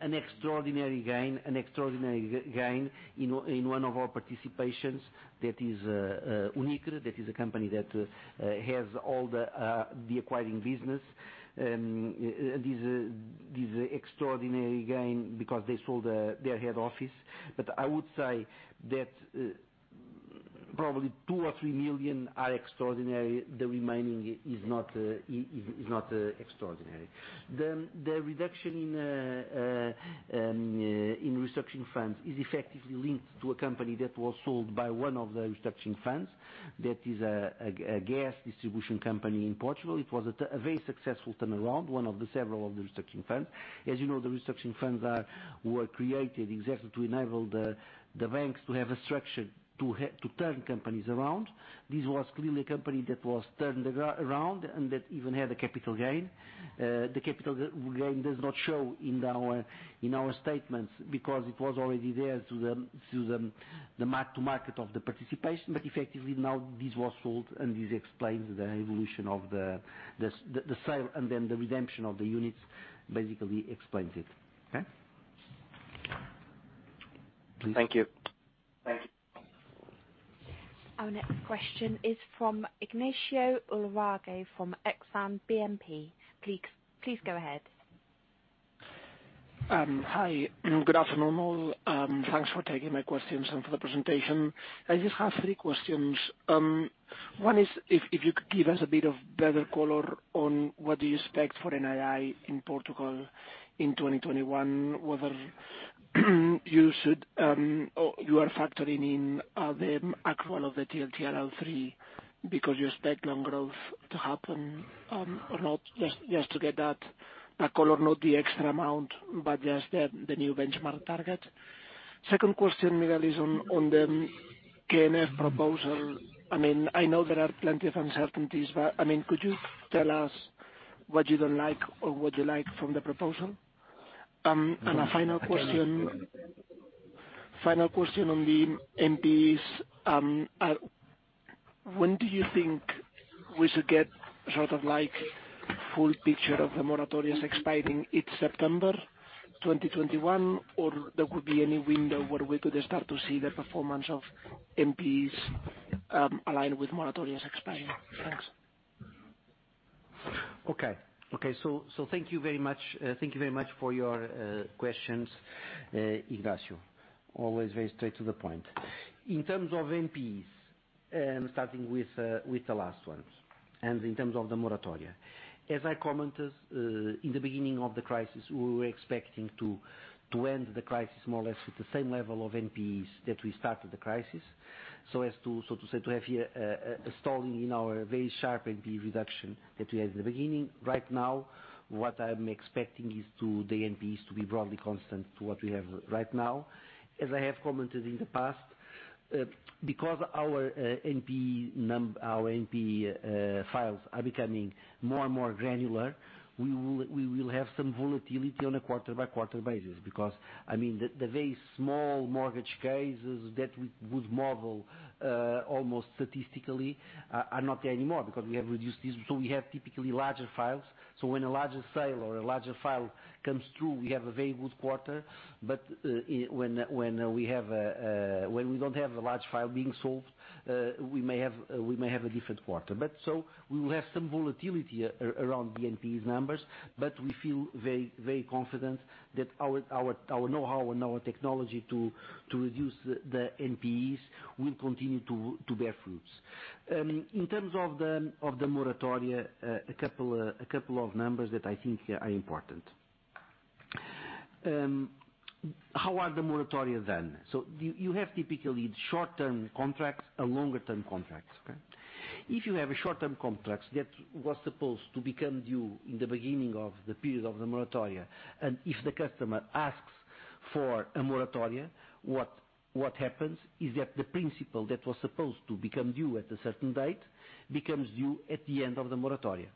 an extraordinary gain in one of our participations, that is Unicre, that is a company that has all the acquiring business. This is extraordinary gain because they sold their head office. I would say that probably two or three million are extraordinary. The remaining is not extraordinary. The reduction in restructuring funds is effectively linked to a company that was sold by one of the restructuring funds, that is a gas distribution company in Portugal. It was a very successful turnaround, one of the several of the restructuring funds. As you know, the restructuring funds were created exactly to enable the banks to have a structure to turn companies around. This was clearly a company that was turned around and that even had a capital gain. The capital gain does not show in our statements because it was already there to the mark to market of the participation. Effectively now this was sold, and this explains the evolution of the sale and then the redemption of the units basically explains it. Okay? Thank you. Our next question is from Ignacio Ulargui from Exane BNP. Please go ahead. Hi, good afternoon all. Thanks for taking my questions and for the presentation. I just have three questions. One is, if you could give us a bit of better color on what do you expect for NII in Portugal in 2021, whether you are factoring in the accrual of the TLTRO III because you expect loan growth to happen or not, just to get that color, not the extra amount, but just the new benchmark target. Second question, Miguel, is on the KNF proposal. I know there are plenty of uncertainties, but could you tell us what you don't like or what you like from the proposal? A final question on the NPEs. When do you think we should get sort of full picture of the moratorias expiring, it is September 2021 or there could be any window where we could start to see the performance of NPEs aligned with moratoria expiring? Thanks. Thank you very much for your questions, Ignacio. Always very straight to the point. In terms of NPEs, starting with the last ones, and in terms of the moratoria. As I commented, in the beginning of the crisis, we were expecting to end the crisis more or less at the same level of NPEs that we started the crisis. So as to, so to say, to have here a stalling in our very sharp NPE reduction that we had in the beginning. Right now, what I'm expecting is the NPEs to be broadly constant to what we have right now. As I have commented in the past, because our NPE files are becoming more and more granular, we will have some volatility on a quarter-by-quarter basis because the very small mortgage cases that we would model almost statistically are not there anymore because we have reduced these. We have typically larger files. When a larger sale or a larger file comes through, we have a very good quarter. When we don't have a large file being sold, we may have a different quarter. We will have some volatility around the NPEs numbers, but we feel very confident that our knowhow and our technology to reduce the NPEs will continue to bear fruits. In terms of the moratoria, a couple of numbers that I think are important. How are the moratoria then? You have typically short-term contracts and longer term contracts, okay? If you have a short-term contract that was supposed to become due in the beginning of the period of the moratoria, and if the customer asks for a moratoria, what happens is that the principal that was supposed to become due at a certain date becomes due at the end of the moratoria.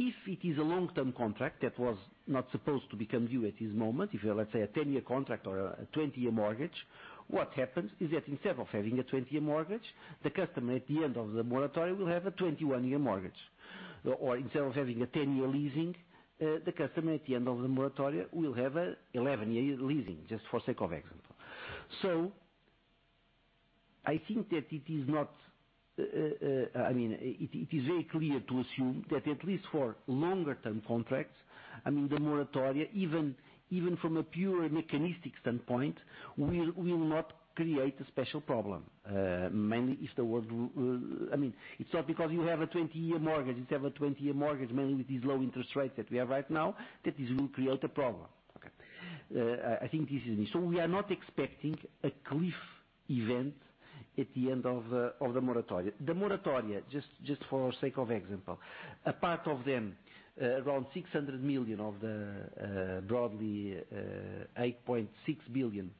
If it is a long-term contract that was not supposed to become due at this moment, if, let's say, a 10-year contract or a 20-year mortgage, what happens is that instead of having a 20-year mortgage, the customer at the end of the moratoria will have a 21-year mortgage. Or instead of having a 10-year leasing, the customer at the end of the moratoria will have an 11-year leasing, just for sake of example. I think that it is very clear to assume that at least for longer-term contracts, the moratoria, even from a pure mechanistic standpoint, will not create a special problem. It's not because you have a 20-year mortgage, mainly with these low interest rates that we have right now, that this will create a problem. Okay. I think this is it. We are not expecting a cliff event at the end of the moratoria. The moratoria, just for sake of example, a part of them, around 600 million of the broadly 8.6 billion,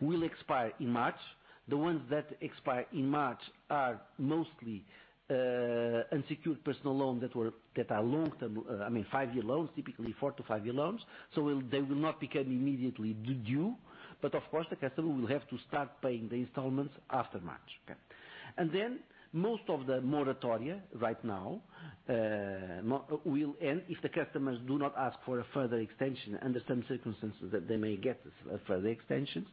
will expire in March. The ones that expire in March are mostly unsecured personal loans that are long-term, five-year loans, typically four- to five-year loans. They will not become immediately due, but of course, the customer will have to start paying the installments after March. Okay. Most of the moratoria right now will end if the customers do not ask for a further extension under some circumstances that they may get further extensions,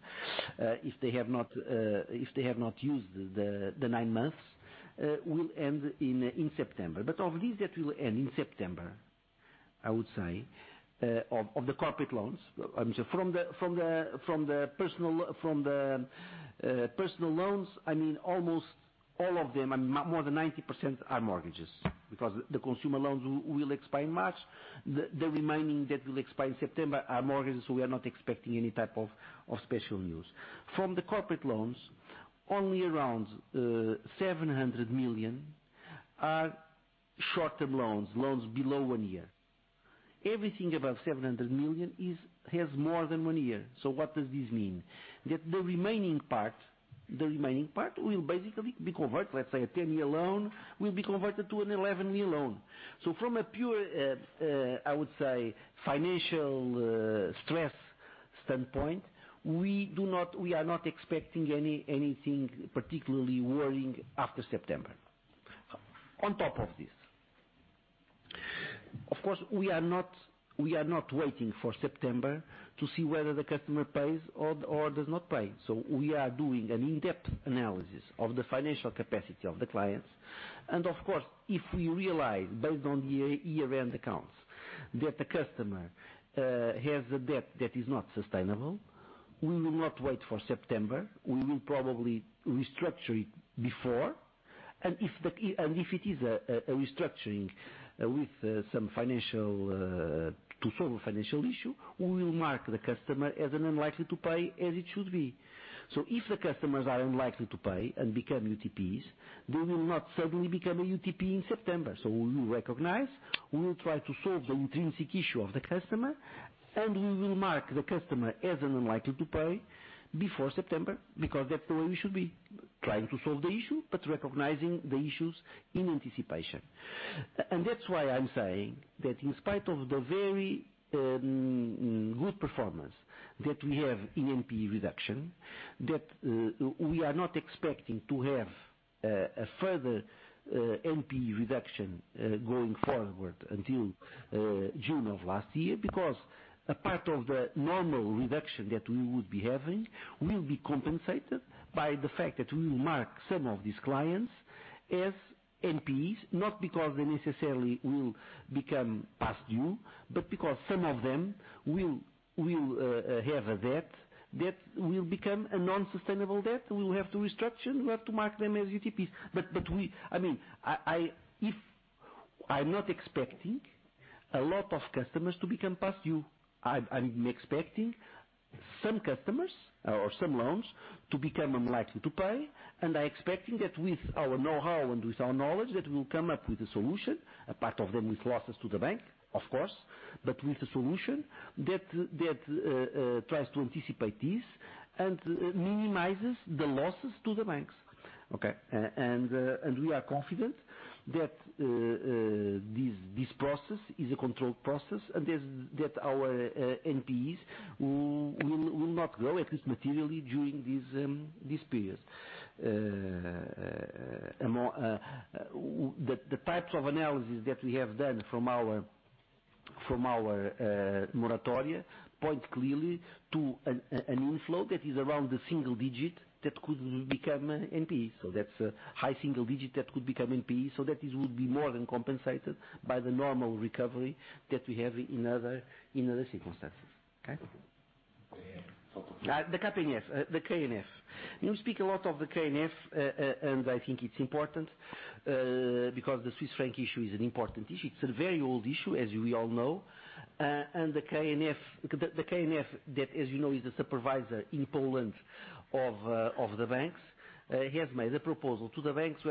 if they have not used the nine months, will end in September. Of these that will end in September, I would say, of the corporate loans-- From the personal loans, almost all of them, more than 90% are mortgages, because the consumer loans will expire in March. The remaining that will expire in September are mortgages, we are not expecting any type of special news. From the corporate loans, only around 700 million are short-term loans below one year. Everything above 700 million has more than one year. What does this mean? That the remaining part will basically be converted, let's say, a 10-year loan will be converted to an 11-year loan. From a pure, I would say, financial stress standpoint, we are not expecting anything particularly worrying after September. On top of this, of course, we are not waiting for September to see whether the customer pays or does not pay. We are doing an in-depth analysis of the financial capacity of the clients. Of course, if we realize based on the year-end accounts that the customer has a debt that is not sustainable, we will not wait for September. We will probably restructure it before. If it is a restructuring to solve a financial issue, we will mark the customer as an unlikely to pay, as it should be. If the customers are unlikely to pay and become UTPs, they will not suddenly become a UTP in September. We will recognize, we will try to solve the intrinsic issue of the customer, and we will mark the customer as an unlikely to pay before September, because that's the way we should be trying to solve the issue, but recognizing the issues in anticipation. That's why I'm saying that in spite of the very good performance that we have in NPE reduction, that we are not expecting to have a further NPE reduction going forward until June of last year. A part of the normal reduction that we would be having will be compensated by the fact that we will mark some of these clients as NPEs, not because they necessarily will become past due, but because some of them will have a debt that will become a non-sustainable debt. We will have to restructure and we have to mark them as UTPs. I'm not expecting a lot of customers to become past due. I'm expecting some customers or some loans to become unlikely to pay, and I'm expecting that with our know-how and with our knowledge, that we'll come up with a solution, a part of them with losses to the bank, of course, but with a solution that tries to anticipate this and minimizes the losses to the banks. Okay. We are confident that this process is a controlled process, and that our NPEs will not grow at least materially during this period. The types of analysis that we have done from our moratoria point clearly to an inflow that is around the single digit that could become NPE. That's a high single digit that could become NPE. That it would be more than compensated by the normal recovery that we have in other circumstances. Okay. The KNF. We speak a lot of the KNF. I think it's important, because the Swiss franc issue is an important issue. It's a very old issue, as we all know. The KNF, that, as you know, is the supervisor in Poland of the banks, has made a proposal to the banks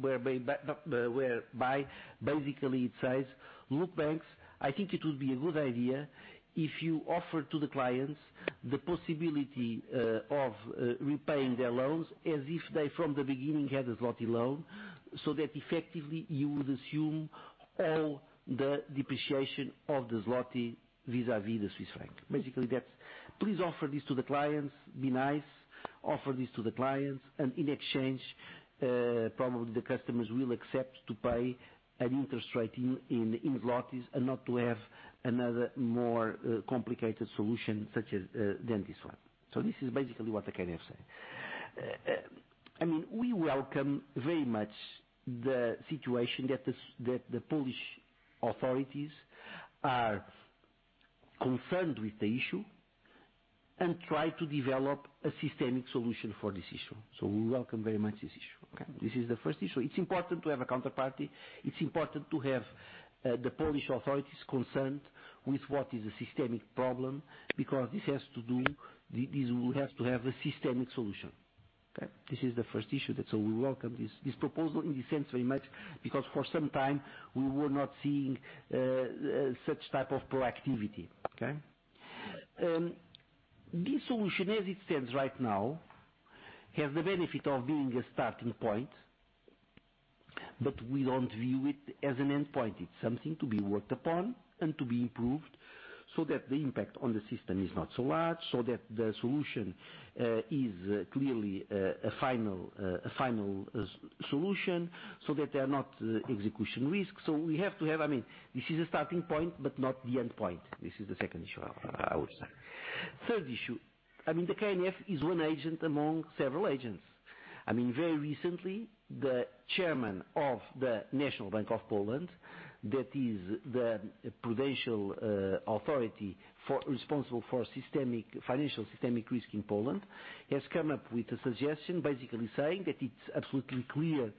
whereby, basically it says, "Look, banks, I think it would be a good idea if you offer to the clients the possibility of repaying their loans as if they from the beginning had a zloty loan, so that effectively you would assume all the depreciation of the zloty vis-à-vis the Swiss franc." Basically, that's, please offer this to the clients. Be nice, offer this to the clients, and in exchange, probably the customers will accept to pay an interest rate in zlotys and not to have another, more complicated solution than this one. This is basically what the KNF say. We welcome very much the situation that the Polish authorities are concerned with the issue and try to develop a systemic solution for this issue. We welcome very much this issue. Okay. This is the first issue. It's important to have a counterparty. It's important to have the Polish authorities concerned with what is a systemic problem, because this has to have a systemic solution. Okay. This is the first issue, that so we welcome this proposal in this sense very much because for some time we were not seeing such type of proactivity. This solution as it stands right now, has the benefit of being a starting point, but we don't view it as an endpoint. It is something to be worked upon and to be improved so that the impact on the system is not so large, so that the solution is clearly a final solution, so that there are not execution risks. We have to have. This is a starting point, but not the endpoint. This is the second issue, I would say. Third issue. The KNF is one agent among several agents. Very recently, the Chairman of the National Bank of Poland, that is the prudential authority responsible for financial systemic risk in Poland, has come up with a suggestion basically saying that it is absolutely clear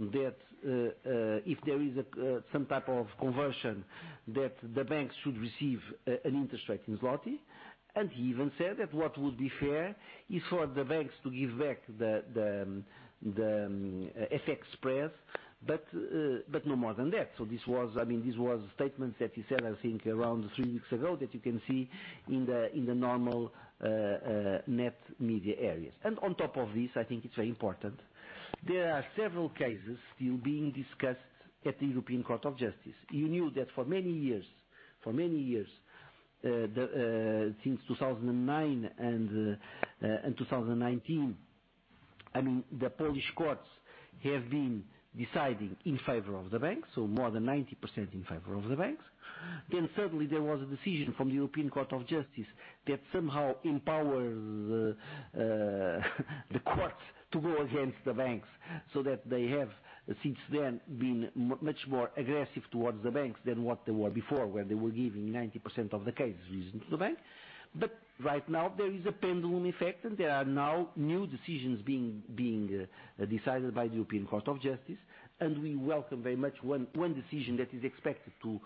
that, if there is some type of conversion, that the banks should receive an interest rate in zloty. And he even said that what would be fair is for the banks to give back the FX spread, but no more than that. This was a statement that he said, I think, around three weeks ago that you can see in the normal net media areas. On top of this, I think it's very important. There are several cases still being discussed at the European Court of Justice. You knew that for many years since 2009 and 2019, the Polish courts have been deciding in favor of the banks, more than 90% in favor of the banks. Suddenly there was a decision from the European Court of Justice that somehow empowered the courts to go against the banks so that they have, since then, been much more aggressive towards the banks than what they were before, where they were giving 90% of the cases, reason to the bank. Right now, there is a pendulum effect, and there are now new decisions being decided by the European Court of Justice, and we welcome very much one decision that is expected to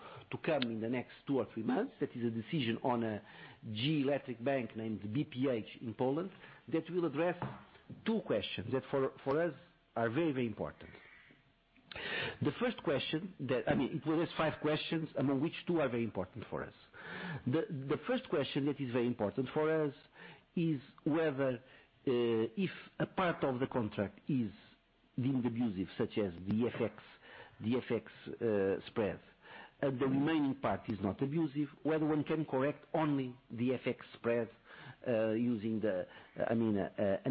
come in the next two or three months. That is a decision on a GE Electric Bank named BPH in Poland that will address two questions that for us are very, very important. It will ask five questions, among which two are very important for us. The first question that is very important for us is whether, if a part of the contract is deemed abusive, such as the FX spread, and the remaining part is not abusive, whether one can correct only the FX spread, using an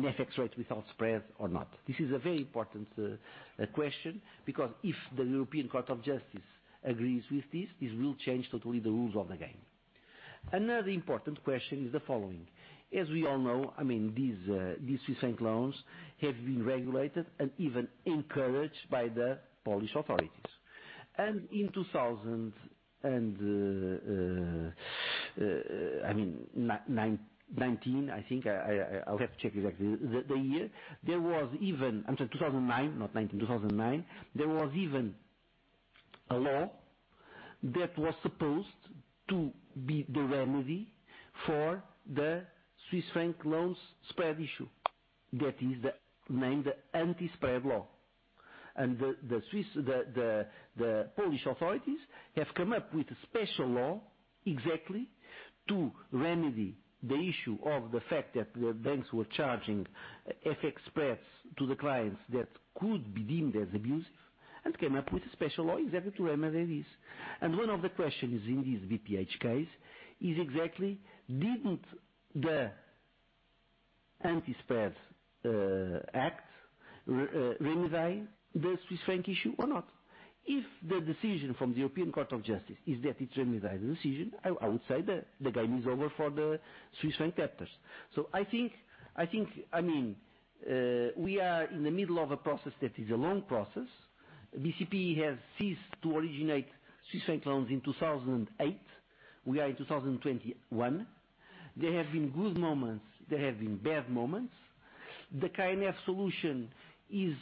FX rate without spread or not. This is a very important question because if the European Court of Justice agrees with this will change totally the rules of the game. Another important question is the following. As we all know, these Swiss franc loans have been regulated and even encouraged by the Polish authorities. In 2019, I think, I'll have to check exactly the year. I'm sorry, 2009, not 2019, 2009, there was even a law that was supposed to be the remedy for the Swiss franc loans spread issue. That is named the Anti-Spread law. The Polish authorities have come up with a special law exactly to remedy the issue of the fact that the banks were charging FX spreads to the clients that could be deemed as abusive and came up with a special law exactly to remedy this. One of the questions in this BPH case is exactly, did the Anti-Spread Act remedy the Swiss franc issue or not? If the decision from the European Court of Justice is that it remedy the decision, I would say the game is over for the Swiss franc [capital]. I think we are in the middle of a process that is a long process. BCP has ceased to originate Swiss franc loans in 2008. We are in 2021. There have been good moments. There have been bad moments. The KNF solution is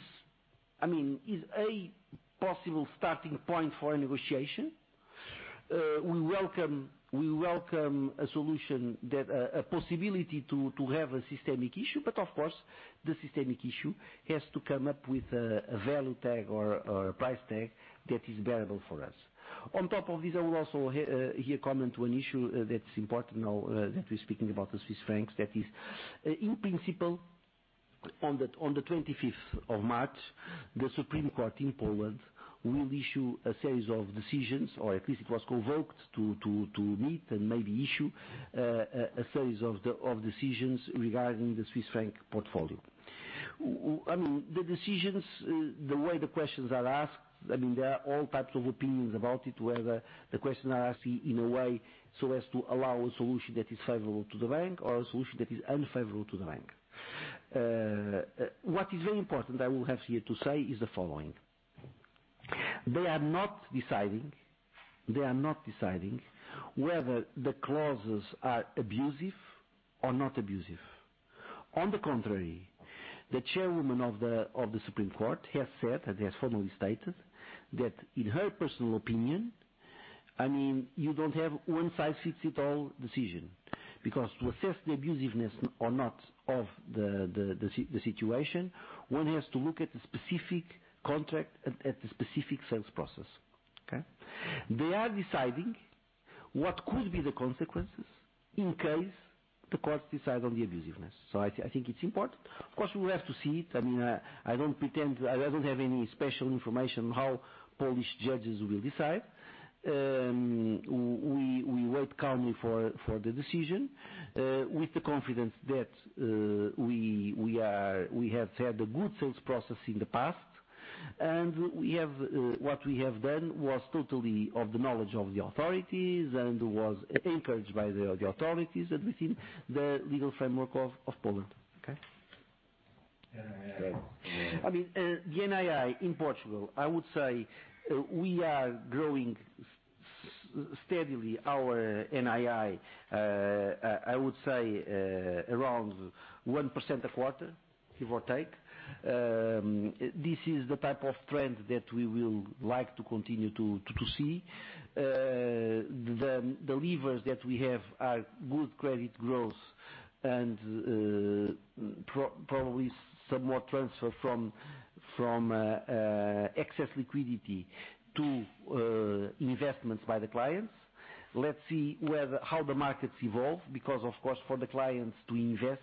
a possible starting point for a negotiation. We welcome a solution that, a possibility to have a systemic issue. Of course, the systemic issue has to come up with a value tag or a price tag that is bearable for us. On top of this, I will also here comment on an issue that's important now that we're speaking about the Swiss francs, that is, in principle, on March 25th, the Supreme Court of Poland will issue a series of decisions, or at least it was convoked to meet and maybe issue a series of decisions regarding the Swiss franc portfolio. The decisions, the way the questions are asked, there are all types of opinions about it, whether the question I ask in a way so as to allow a solution that is favorable to the bank or a solution that is unfavorable to the bank. What is very important, I will have here to say is the following. They are not deciding whether the clauses are abusive or not abusive. On the contrary, the chairwoman of the Supreme Court has said and has formally stated that in her personal opinion. You don't have one-size-fits-all decision, because to assess the abusiveness or not of the situation, one has to look at the specific contract and at the specific sales process. Okay. They are deciding what could be the consequences in case the courts decide on the abusiveness. I think it's important. Of course, we will have to see it. I don't have any special information on how Polish judges will decide. We wait calmly for the decision, with the confidence that we have had a good sales process in the past, and what we have done was totally of the knowledge of the authorities and was encouraged by the authorities and within the legal framework of Poland. Okay. Yeah. The NII in Portugal, I would say we are growing steadily our NII, I would say around 1% a quarter, give or take. This is the type of trend that we will like to continue to see. The levers that we have are good credit growth and probably some more transfer from excess liquidity to investments by the clients. Let's see how the markets evolve, because of course, for the clients to invest,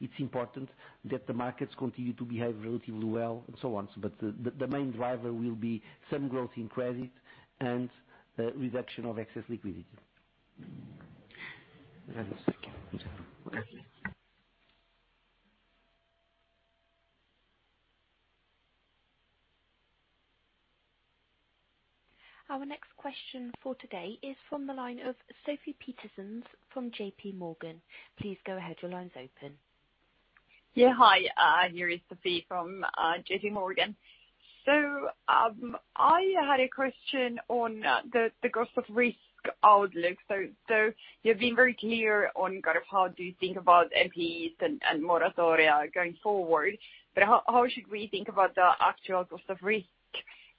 it's important that the markets continue to behave relatively well and so on. The main driver will be some growth in credit and the reduction of excess liquidity. (audio distortion) Our next question for today is from the line of Sofie Peterzens from JPMorgan. Please go ahead. Your line's open. Yeah. Hi, here is Sofie from JPMorgan. I had a question on the cost of risk outlook. You've been very clear on (audio distortion) how do you think about NPEs and moratoria going forward, how should we think about the actual cost of risk?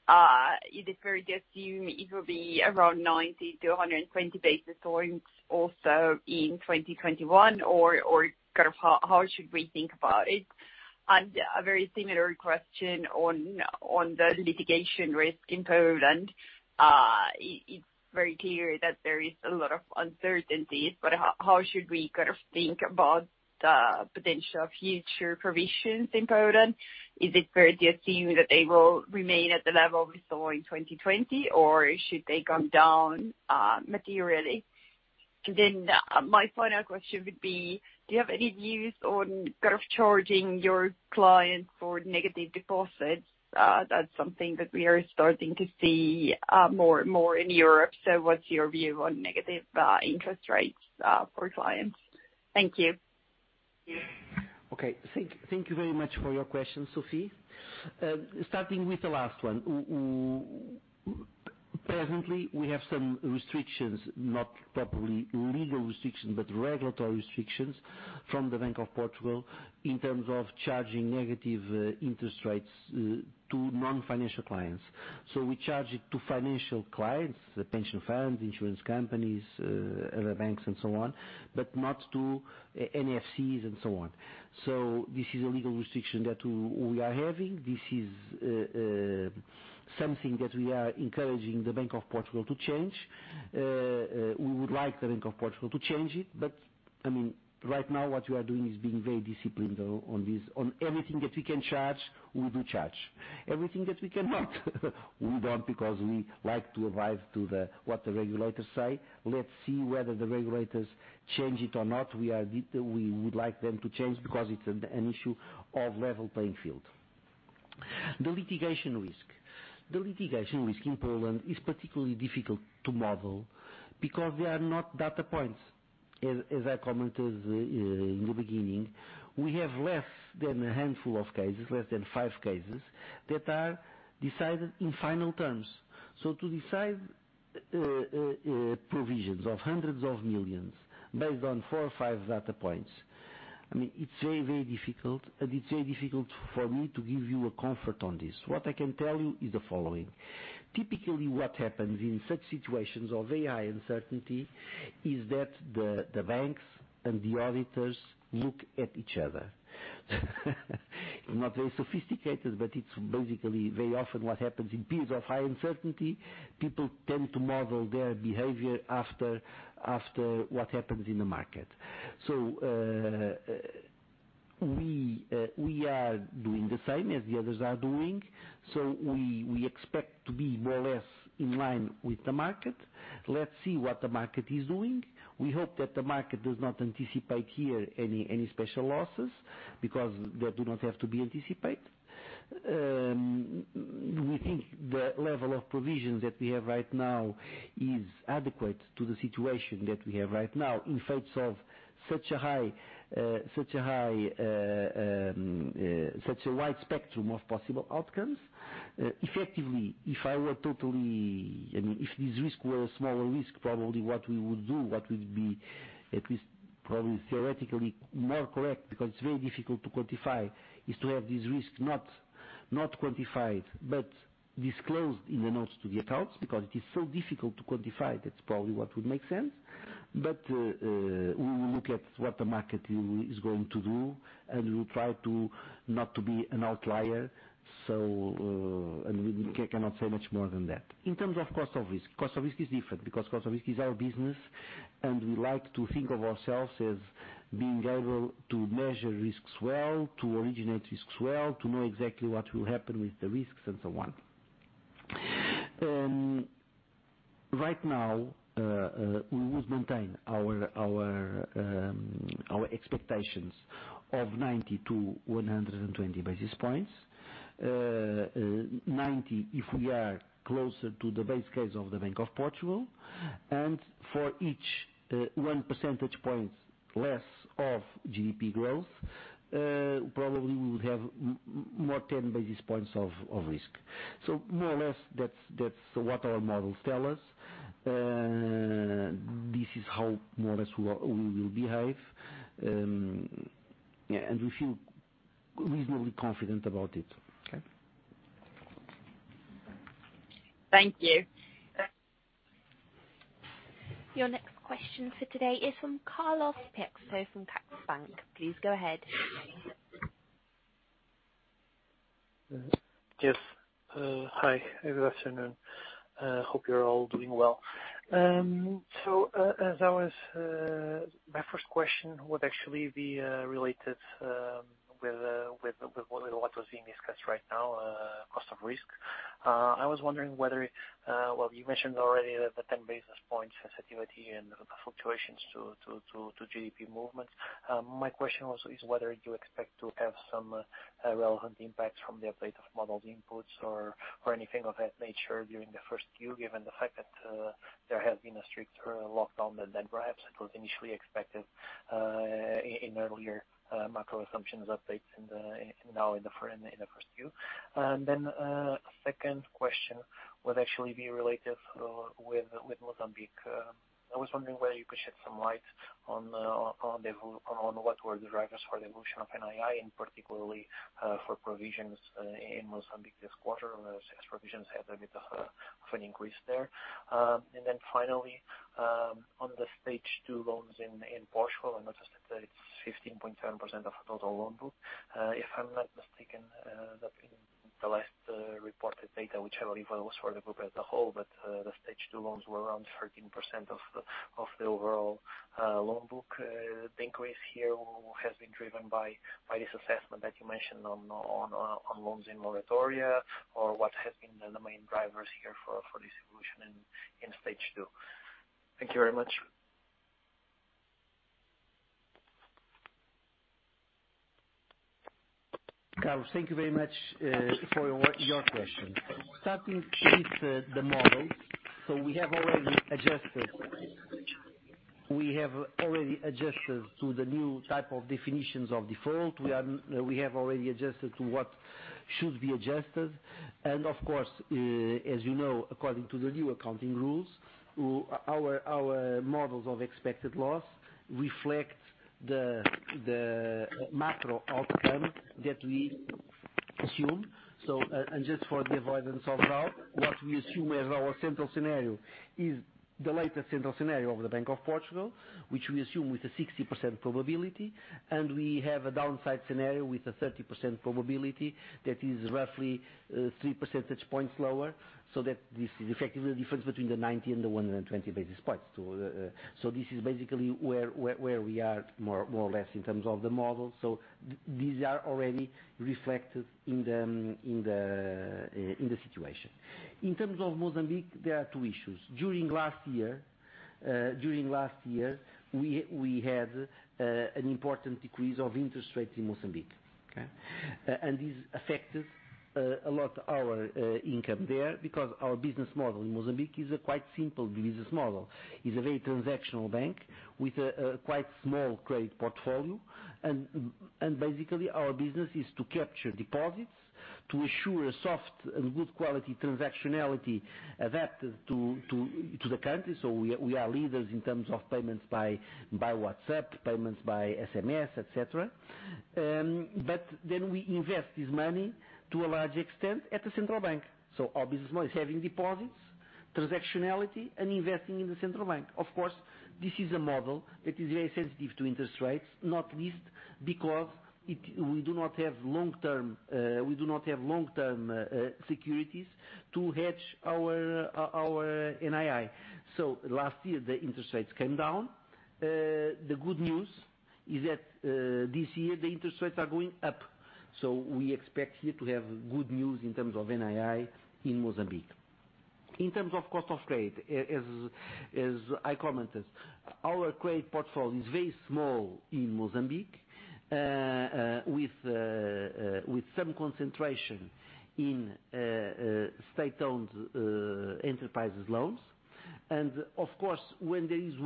Is it fair to assume it will be around 90 to 120 basis points also in 2021? How should we think about it? A very similar question on the litigation risk in Poland. It's very clear that there is a lot of uncertainties, how should we think about the potential future provisions in Poland? Is it fair to assume that they will remain at the level we saw in 2020, should they come down materially? My final question would be, do you have any views on charging your clients for negative deposits? That's something that we are starting to see more in Europe. What's your view on negative interest rates for clients? Thank you. Thank you very much for your question, Sofie. Starting with the last one, presently, we have some restrictions, not probably legal restrictions, but regulatory restrictions from the Banco de Portugal in terms of charging negative interest rates to non-financial clients. We charge it to financial clients, the pension funds, insurance companies, other banks and so on, but not to NFCs and so on. This is a legal restriction that we are having. This is something that we are encouraging the Banco de Portugal to change. We would like the Banco de Portugal to change it. Right now, what we are doing is being very disciplined on this. On anything that we can charge, we do charge. Everything that we cannot, we don't, because we like to abide to what the regulators say. Let's see whether the regulators change it or not. We would like them to change because it's an issue of level playing field. The litigation risk. The litigation risk in Poland is particularly difficult to model because there are not data points. As I commented in the beginning, we have less than a handful of cases, less than five cases that are decided in final terms. To decide provisions of hundreds of millions based on four or five data points, it's very difficult, and it's very difficult for me to give you a comfort on this. What I can tell you is the following. Typically what happens in such situations of high uncertainty is that the banks and the auditors look at each other. Not very sophisticated, but it's basically very often what happens in periods of high uncertainty, people tend to model their behavior after what happens in the market. We are doing the same as the others are doing. We expect to be more or less in line with the market. Let's see what the market is doing. We hope that the market does not anticipate here any special losses because they do not have to be anticipated. We think the level of provisions that we have right now is adequate to the situation that we have right now in face of such a wide spectrum of possible outcomes. Effectively, if this risk were a smaller risk, probably what we would do, what would be at least probably theoretically more correct, because it is very difficult to quantify, is to have this risk not quantified, but disclosed in the notes to the accounts because it is so difficult to quantify. That's probably what would make sense. We will look at what the market is going to do, and we will try to not to be an outlier. We cannot say much more than that. In terms of cost of risk, cost of risk is different because cost of risk is our business, and we like to think of ourselves as being able to measure risks well, to originate risks well, to know exactly what will happen with the risks, and so on. Right now, we would maintain our expectations of 90 to 120 basis points. 90 if we are closer to the base case of the Banco de Portugal, and for each one percentage point less of GDP growth, probably we would have more 10 basis points of risk. More or less, that's what our models tell us. This is how more or less we will behave. We feel reasonably confident about it. Okay? Thank you. Your next question for today is from Carlos Peixoto from CaixaBank. Please go ahead. Yes. Hi, good afternoon. Hope you're all doing well. My first question would actually be related with what was being discussed right now, cost of risk. I was wondering whether Well, you mentioned already that the 10 basis points sensitivity and the fluctuations to GDP movements. My question is whether you expect to have some relevant impacts from the update of model inputs or anything of that nature during the first Q, given the fact that there has been a stricter lockdown than perhaps it was initially expected in earlier macro assumptions updates and now in the first Q? Second question would actually be related with Mozambique. I was wondering whether you could shed some light on what were the drivers for the evolution of NII, and particularly for provisions in Mozambique this quarter, as provisions had a bit of an increase there. Finally, on the Stage 2 loans in Portugal, I noticed that it's 15.7% of total loan book. If I'm not mistaken, that in the last reported data, which I believe was for the group as a whole, but the Stage 2 loans were around 13% of the overall loan book. The increase here has been driven by this assessment that you mentioned on loans in moratoria, or what has been the main drivers here for this evolution in Stage 2? Thank you very much. Carlos, thank you very much for your question. Starting with the model, we have already adjusted to the new type of definitions of default. We have already adjusted to what should be adjusted. Of course, as you know, according to the new accounting rules, our models of expected loss reflect the macro outcome that we assume. Just for the avoidance of doubt, what we assume as our central scenario is the latest central scenario of the Banco de Portugal, which we assume with a 60% probability, and we have a downside scenario with a 30% probability that is roughly three percentage points lower, that this is effectively the difference between the 90 and the 120 basis points. This is basically where we are more or less in terms of the model. These are already reflected in the situation. In terms of Mozambique, there are two issues. During last year, we had an important decrease of interest rates in Mozambique. Okay. This affected a lot our income there because our business model in Mozambique is a quite simple business model. It's a very transactional bank with a quite small credit portfolio. Basically, our business is to capture deposits to ensure a soft and good quality transactionality adapted to the country. We are leaders in terms of payments by WhatsApp, payments by SMS, et cetera. We invest this money to a large extent at the Central Bank. Our business model is having deposits, transactionality, and investing in the Central Bank. Of course, this is a model that is very sensitive to interest rates, not least because we do not have long-term securities to hedge our NII. Last year, the interest rates came down. The good news is that this year, the interest rates are going up. We expect here to have good news in terms of NII in Mozambique. In terms of cost of credit, as I commented, our credit portfolio is very small in Mozambique, with some concentration in state-owned enterprises loans. Of course, when there is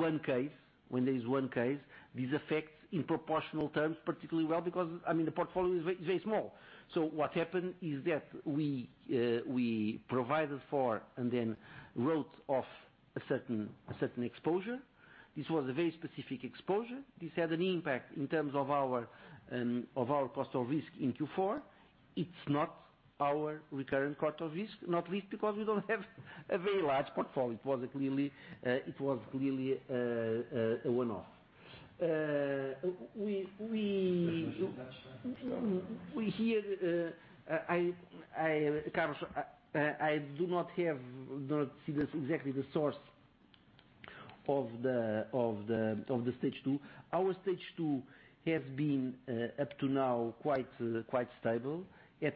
one case, this affects in proportional terms particularly well because the portfolio is very small. What happened is that we provided for and then wrote off a certain exposure. This was a very specific exposure. This had an impact in terms of our cost of risk in Q4. It's not our recurring cost of risk, not least because we don't have a very large portfolio. It was clearly a one-off. We hear, Carlos, I do not see exactly the source of the Stage 2. Our Stage 2 have been, up to now, quite stable at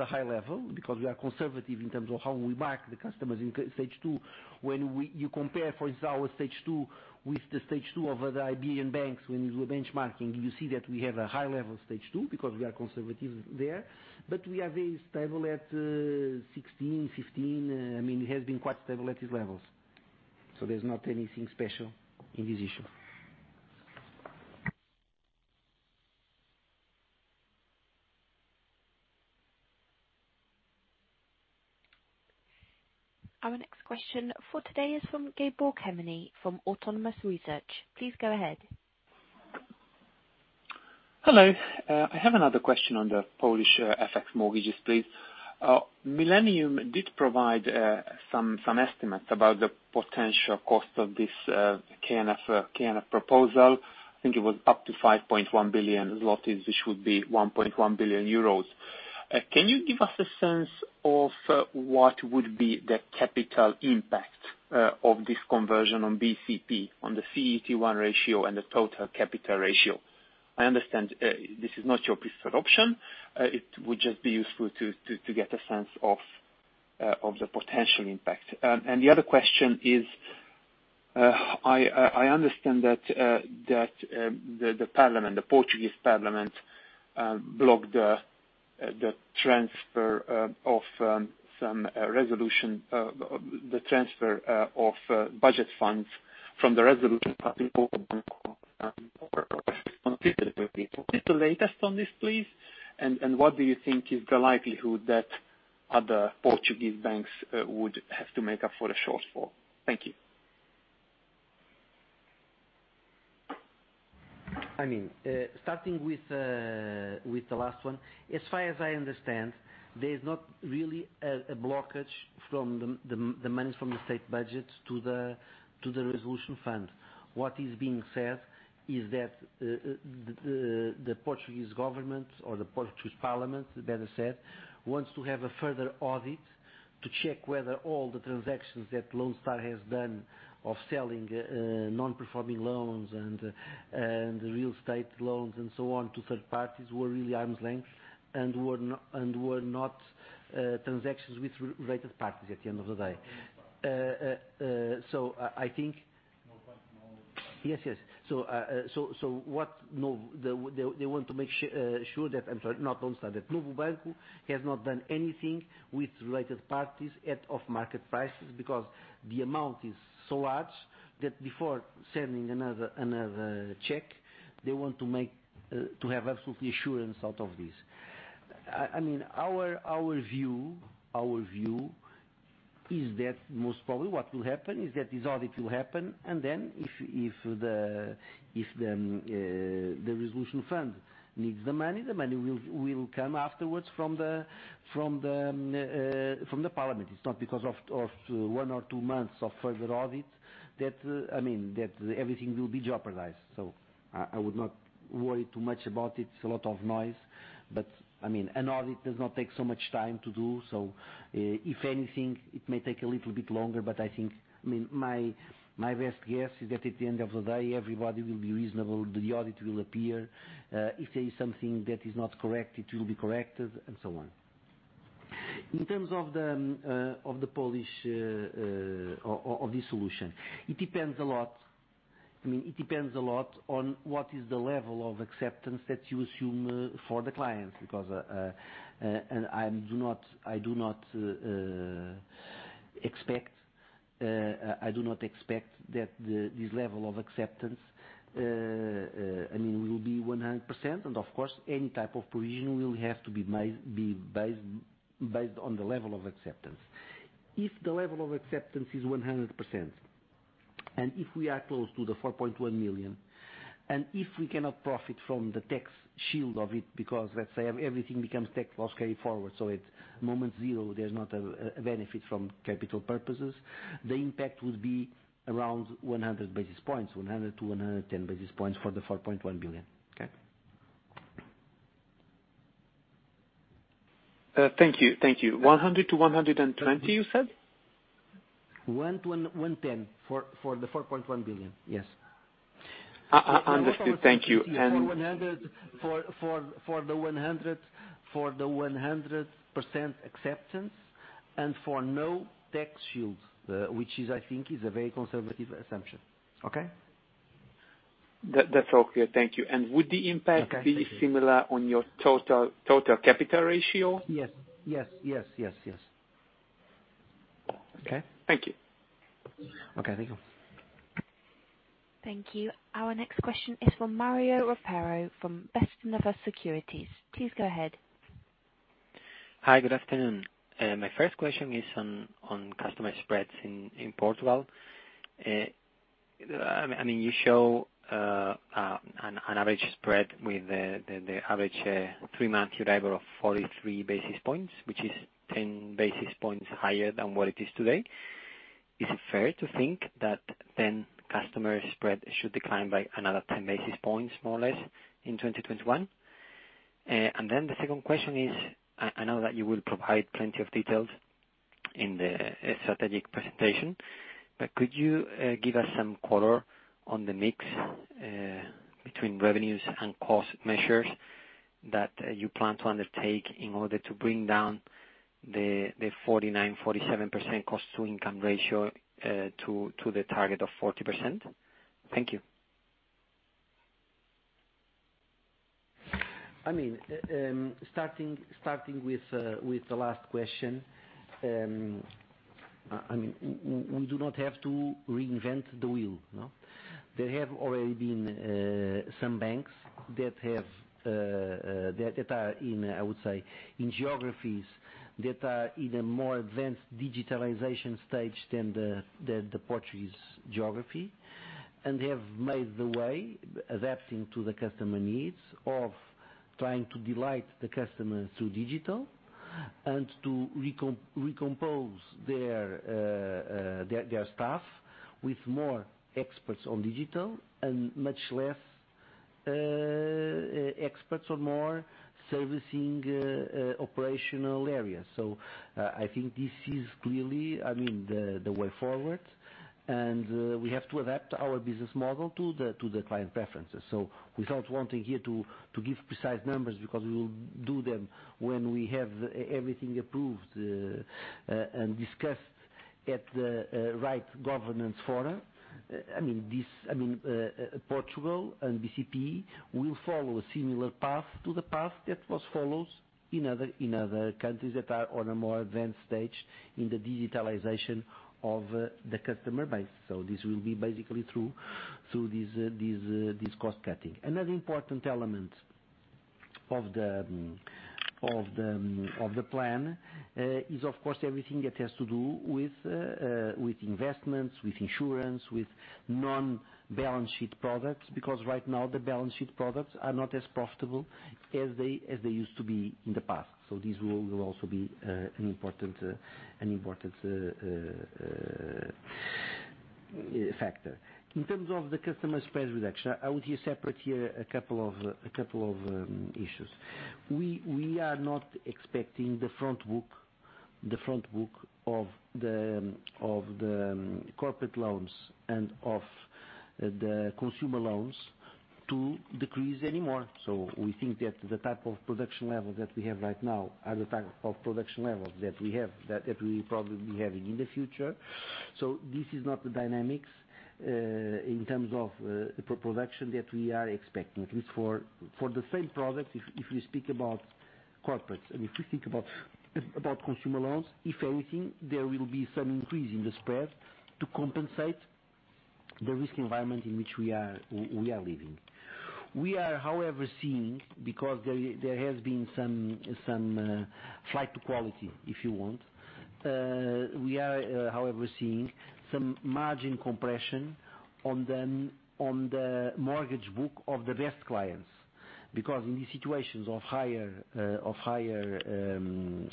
a high level, because we are conservative in terms of how we mark the customers in Stage 2. When you compare, for example, Stage 2 with the Stage 2 of the Iberian banks, when you do a benchmarking, you see that we have a high level of Stage 2 because we are conservative there. We are very stable at 16, 15. It has been quite stable at these levels. There's not anything special in this issue. Our next question for today is from Gabor Kemeny, from Autonomous Research. Please go ahead. Hello. I have another question on the Polish FX mortgages, please. Millennium did provide some estimates about the potential cost of this KNF proposal. I think it was up to 5.1 billion zlotys, which would be 1.1 billion euros. Can you give us a sense of what would be the capital impact of this conversion on BCP, on the CET1 ratio and the total capital ratio? I understand this is not your preferred option. It would just be useful to get a sense of the potential impact. The other question is, I understand that the parliament, the Portuguese parliament, blocked the transfer of budget funds from the resolution. What is the latest on this, please? What do you think is the likelihood that other Portuguese banks would have to make up for a shortfall? Thank you. Starting with the last one. As far as I understand, there's not really a blockage from the money from the state budget to the resolution fund. What is being said is that the Portuguese government or the Portuguese parliament, better said, wants to have a further audit to check whether all the transactions that Lone Star has done of selling non-performing loans and the real estate loans and so on to third parties were really arm's length, and were not transactions with related parties at the end of the day. Yes. They want to make sure that, I'm sorry, not Lone Star, that Novo Banco has not done anything with related parties at off-market prices because the amount is so large that before sending another check, they want to have absolute assurance out of this. Our view is that most probably what will happen is that this audit will happen, and then if the resolution fund needs the money, the money will come afterwards from the parliament. It's not because of one or two months of further audit that everything will be jeopardized. I would not worry too much about it. It's a lot of noise, but an audit does not take so much time to do. If anything, it may take a little bit longer, but my best guess is that at the end of the day, everybody will be reasonable. The audit will appear. If there is something that is not correct, it will be corrected, and so on. In terms of the Polish, of this solution. It depends a lot on what is the level of acceptance that you assume for the clients, because I do not expect that this level of acceptance will be 100%. Of course, any type of provision will have to be based on the level of acceptance. If the level of acceptance is 100%, and if we are close to the 4.1 million, and if we cannot profit from the tax shield of it because, let's say, everything becomes tax loss carry forward. At moment zero, there's not a benefit from capital purposes. The impact would be around 100 basis points, 100 to 110 basis points for the 4.1 billion. Okay? Thank you. 100 to 120, you said? 110 for the 4.1 billion. Yes. Understood. Thank you. For the 100% acceptance and for no tax shield, which is, I think, is a very conservative assumption. Okay? That's all clear. Thank you. Would the impact be similar on your total capital ratio? Yes. Okay. Thank you. Okay. Thank you. Thank you. Our next question is from Mario Ropero from Bestinver Securities. Please go ahead. Hi, good afternoon. My first question is on customer spreads in Portugal. You show an average spread with the average three-month Euribor of 43 basis points, which is 10 basis points higher than what it is today. Is it fair to think that then customer spread should decline by another 10 basis points, more or less, in 2021? The second question is, I know that you will provide plenty of details in the strategic presentation, but could you give us some color on the mix between revenues and cost measures that you plan to undertake in order to bring down the 49%, 47% cost-to-income ratio to the target of 40%? Thank you. Starting with the last question. We do not have to reinvent the wheel. There have already been some banks that are in, I would say, geographies that are in a more advanced digitalization stage than the Portuguese geography. They have made the way, adapting to the customer needs of trying to delight the customer through digital and to recompose their staff with more experts on digital and much less experts on more servicing operational areas. I think this is clearly the way forward. We have to adapt our business model to the client preferences. Without wanting here to give precise numbers, because we will do them when we have everything approved and discussed at the right governance forum. Portugal and BCP will follow a similar path to the path that was followed in other countries that are on a more advanced stage in the digitalization of the customer base. This will be basically through this cost cutting. Another important element of the plan is, of course, everything that has to do with investments, with insurance, with non-balance sheet products. Right now, the balance sheet products are not as profitable as they used to be in the past. This will also be an important factor. In terms of the customer spread reduction, I would separate here a couple of issues. We are not expecting the front book of the corporate loans and of the consumer loans to decrease anymore. We think that the type of production level that we have right now are the type of production level that we will probably be having in the future. This is not the dynamics in terms of production that we are expecting. At least for the same product, if you speak about corporates, and if you think about consumer loans, if anything, there will be some increase in the spread to compensate the risk environment in which we are living. We are, however, seeing, because there has been some flight to quality, if you want. We are, however, seeing some margin compression on the mortgage book of the best clients, because in these situations of higher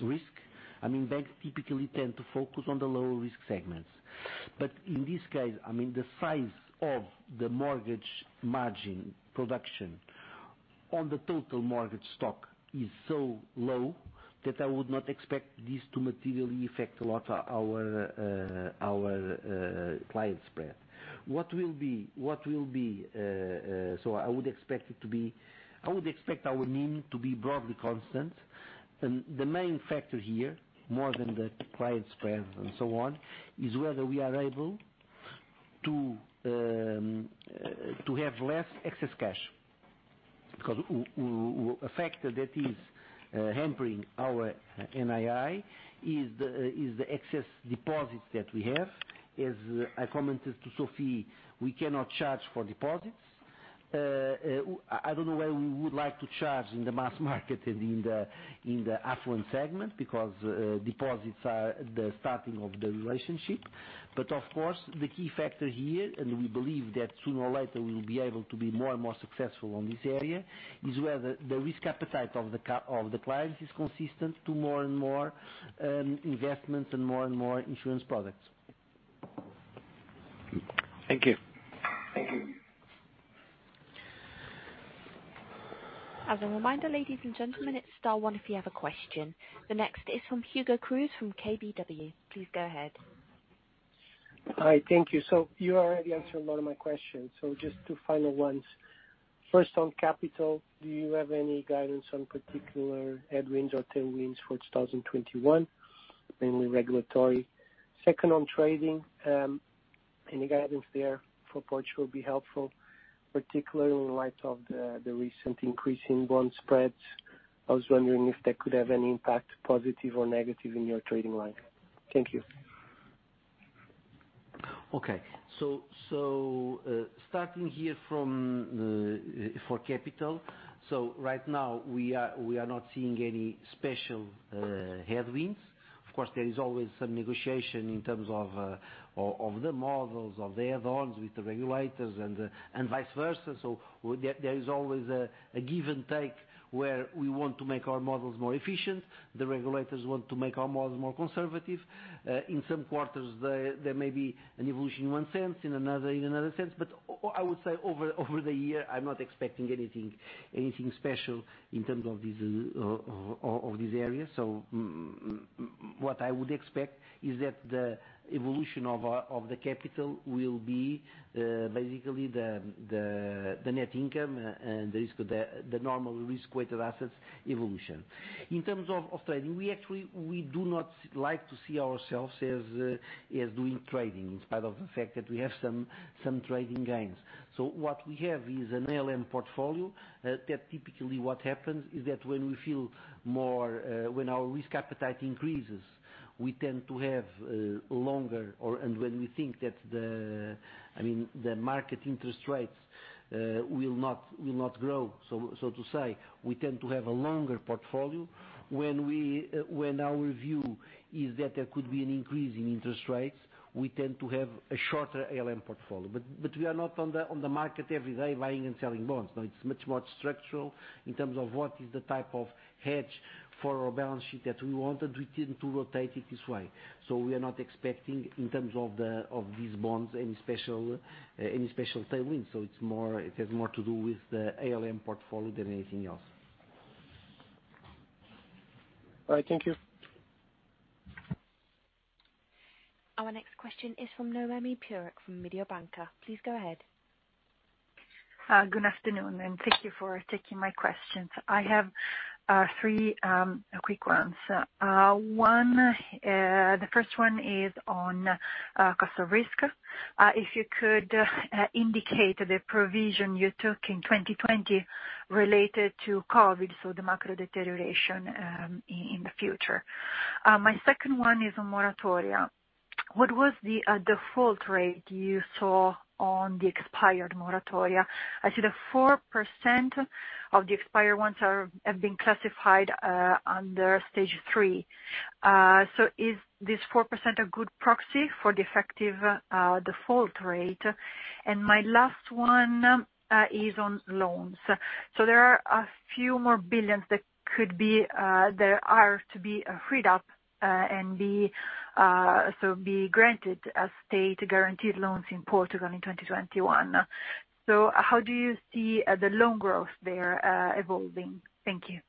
risk, banks typically tend to focus on the lower risk segments. In this case, the size of the mortgage margin production on the total mortgage stock is so low that I would not expect this to materially affect a lot our client spread. I would expect our mean to be broadly constant. The main factor here, more than the client spread and so on, is whether we are able to have less excess cash. A factor that is hampering our NII is the excess deposits that we have. As I commented to Sofie, we cannot charge for deposits. I don't know whether we would like to charge in the mass market and in the affluent segment, because deposits are the starting of the relationship. Of course, the key factor here, and we believe that sooner or later, we will be able to be more and more successful on this area, is whether the risk appetite of the clients is consistent to more and more investments and more and more insurance products. Thank you. Thank you. As a reminder, ladies and gentlemen, it's star one if you have a question. The next is from Hugo Cruz, from KBW. Please go ahead. Hi. Thank you. You already answered a lot of my questions. Just two final ones. First, on capital, do you have any guidance on particular headwinds or tailwinds for 2021, mainly regulatory? Second, on trading, any guidance there for Portugal will be helpful, particularly in light of the recent increase in bond spreads. I was wondering if that could have any impact, positive or negative, in your trading line. Thank you. Starting here for capital. Right now, we are not seeing any special headwinds. Of course, there is always some negotiation in terms of the models, of the add-ons with the regulators and vice versa. There is always a give and take where we want to make our models more efficient. The regulators want to make our models more conservative. In some quarters, there may be an evolution in one sense, in another sense. I would say over the year, I am not expecting anything special in terms of this area. What I would expect is that the evolution of the capital will be basically the net income and the normal risk-weighted assets evolution. In terms of trading, we do not like to see ourselves as doing trading in spite of the fact that we have some trading gains. What we have is an ALM portfolio that typically what happens is that when our risk appetite increases, we tend to have longer, or when we think that the market interest rates will not grow, so to say, we tend to have a longer portfolio. When our view is that there could be an increase in interest rates, we tend to have a shorter ALM portfolio. We are not on the market every day buying and selling bonds. No, it's much more structural in terms of what is the type of hedge for our balance sheet that we want, and we tend to rotate it this way. We are not expecting in terms of these bonds any special tailwind. It has more to do with the ALM portfolio than anything else. All right. Thank you. Our next question is from Noemi Peruch from Mediobanca. Please go ahead. Good afternoon, thank you for taking my questions. I have three quick ones. The first one is on cost of risk. If you could indicate the provision you took in 2020 related to COVID, the macro deterioration in the future. My second one is on moratoria. What was the default rate you saw on the expired moratoria? I see that 4% of the expired ones have been classified under Stage 3. Is this 4% a good proxy for the effective default rate? My last one is on loans. There are a few more billions that are to be freed up and be granted as state guaranteed loans in Portugal in 2021. How do you see the loan growth there evolving? Thank you.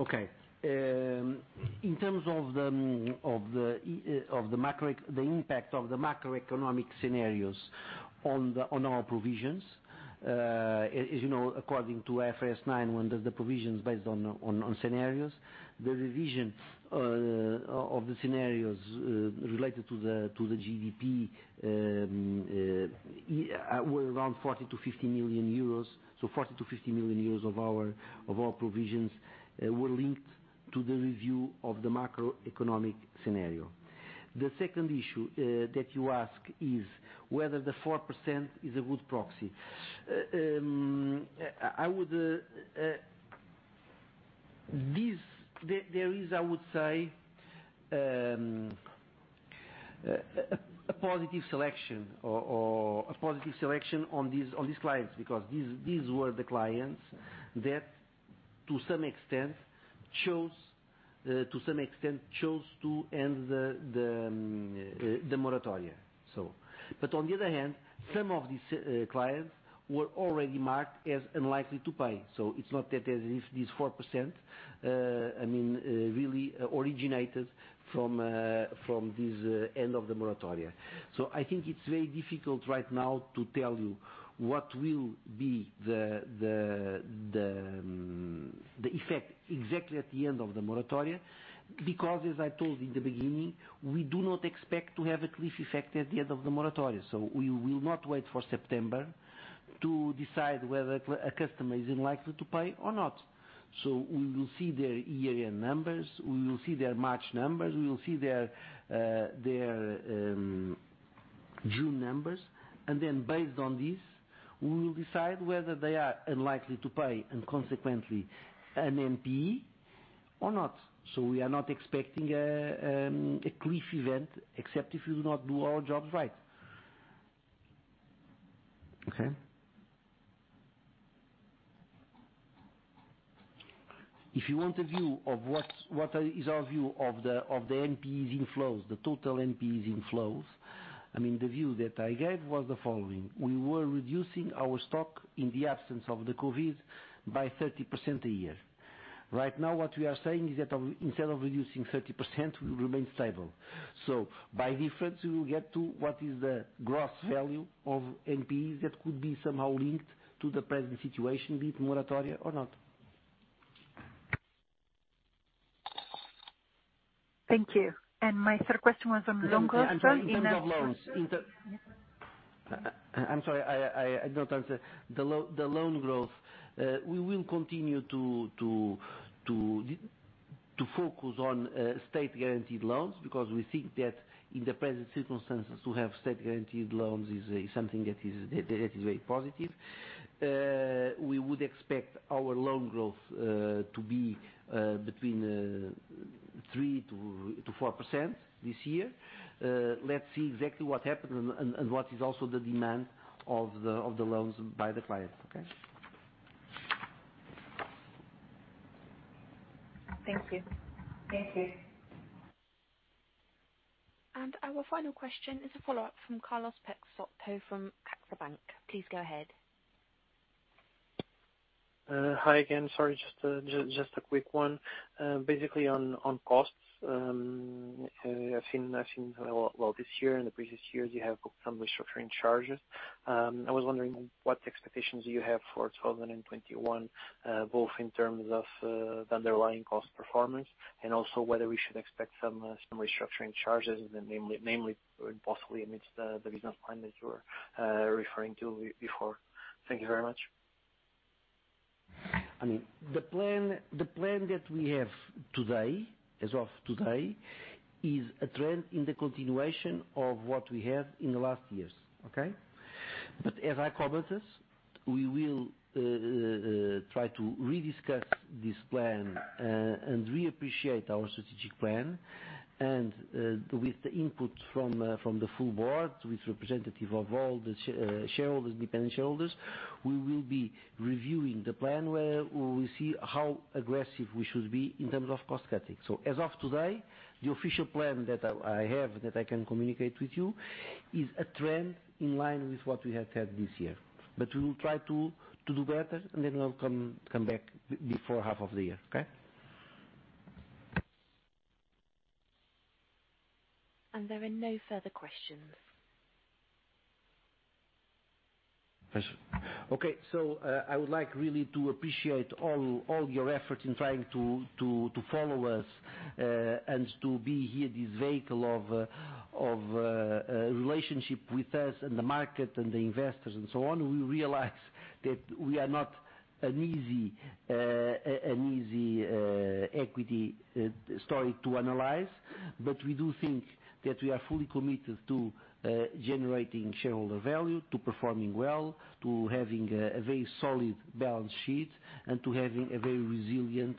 Okay. In terms of the impact of the macroeconomic scenarios on our provisions, as you know, according to IFRS 9, when the provision is based on scenarios, the revision of the scenarios related to the GDP were around 40 million-50 million euros. 40 million-50 million euros of our provisions were linked to the review of the macroeconomic scenario. The second issue that you ask is whether the 4% is a good proxy. There is, I would say, a positive selection on these clients because these were the clients that to some extent chose to end the moratoria. On the other hand, some of these clients were already marked as unlikely to pay. It's not that these 4% really originated from this end of the moratoria. I think it's very difficult right now to tell you what will be the effect exactly at the end of the moratoria, because as I told you in the beginning, we do not expect to have a cliff effect at the end of the moratoria. We will not wait for September to decide whether a customer is unlikely to pay or not. We will see their year-end numbers, we will see their March numbers, we will see their June numbers, and then based on this, we will decide whether they are unlikely to pay and consequently an NPE or not. We are not expecting a cliff event except if we do not do our jobs right. Okay. If you want a view of what is our view of the NPE inflows, the total NPE inflows, the view that I gave was the following. We were reducing our stock in the absence of the COVID by 30% a year. Right now, what we are saying is that instead of reducing 30%, we remain stable. By difference, we will get to what is the gross value of NPE that could be somehow linked to the present situation, be it moratoria or not. Thank you. My third question was on loan growth. In terms of loans, I'm sorry, I did not answer. The loan growth, we will continue to focus on state-guaranteed loans because we think that in the present circumstances, to have state-guaranteed loans is something that is very positive. We would expect our loan growth to be between 3%-4% this year. Let's see exactly what happens and what is also the demand of the loans by the clients. Okay? Thank you. Thank you. Our final question is a follow-up from Carlos Peixoto from CaixaBank. Please go ahead. Hi again. Sorry, just a quick one. Basically, on costs. I've seen this year and the previous years, you have booked some restructuring charges. I was wondering what expectations you have for 2021, both in terms of the underlying cost performance and also whether we should expect some restructuring charges, namely, possibly amidst the business plan that you were referring to before. Thank you very much. The plan that we have today, as of today, is a trend in the continuation of what we had in the last years. Okay. As I commented, we will try to re-discuss this plan and reappreciate our strategic plan. With the input from the full board, with representative of all the shareholders, independent shareholders, we will be reviewing the plan where we will see how aggressive we should be in terms of cost cutting. As of today, the official plan that I have that I can communicate with you is a trend in line with what we have had this year. We will try to do better, and then we'll come back before half of the year. Okay. There are no further questions. Okay. I would like really to appreciate all your effort in trying to follow us and to be here, this vehicle of relationship with us and the market and the investors and so on. We realize that we are not an easy equity story to analyze. We do think that we are fully committed to generating shareholder value, to performing well, to having a very solid balance sheet, and to having a very resilient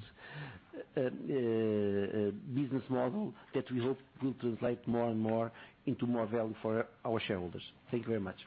business model that we hope will translate more and more into more value for our shareholders. Thank you very much.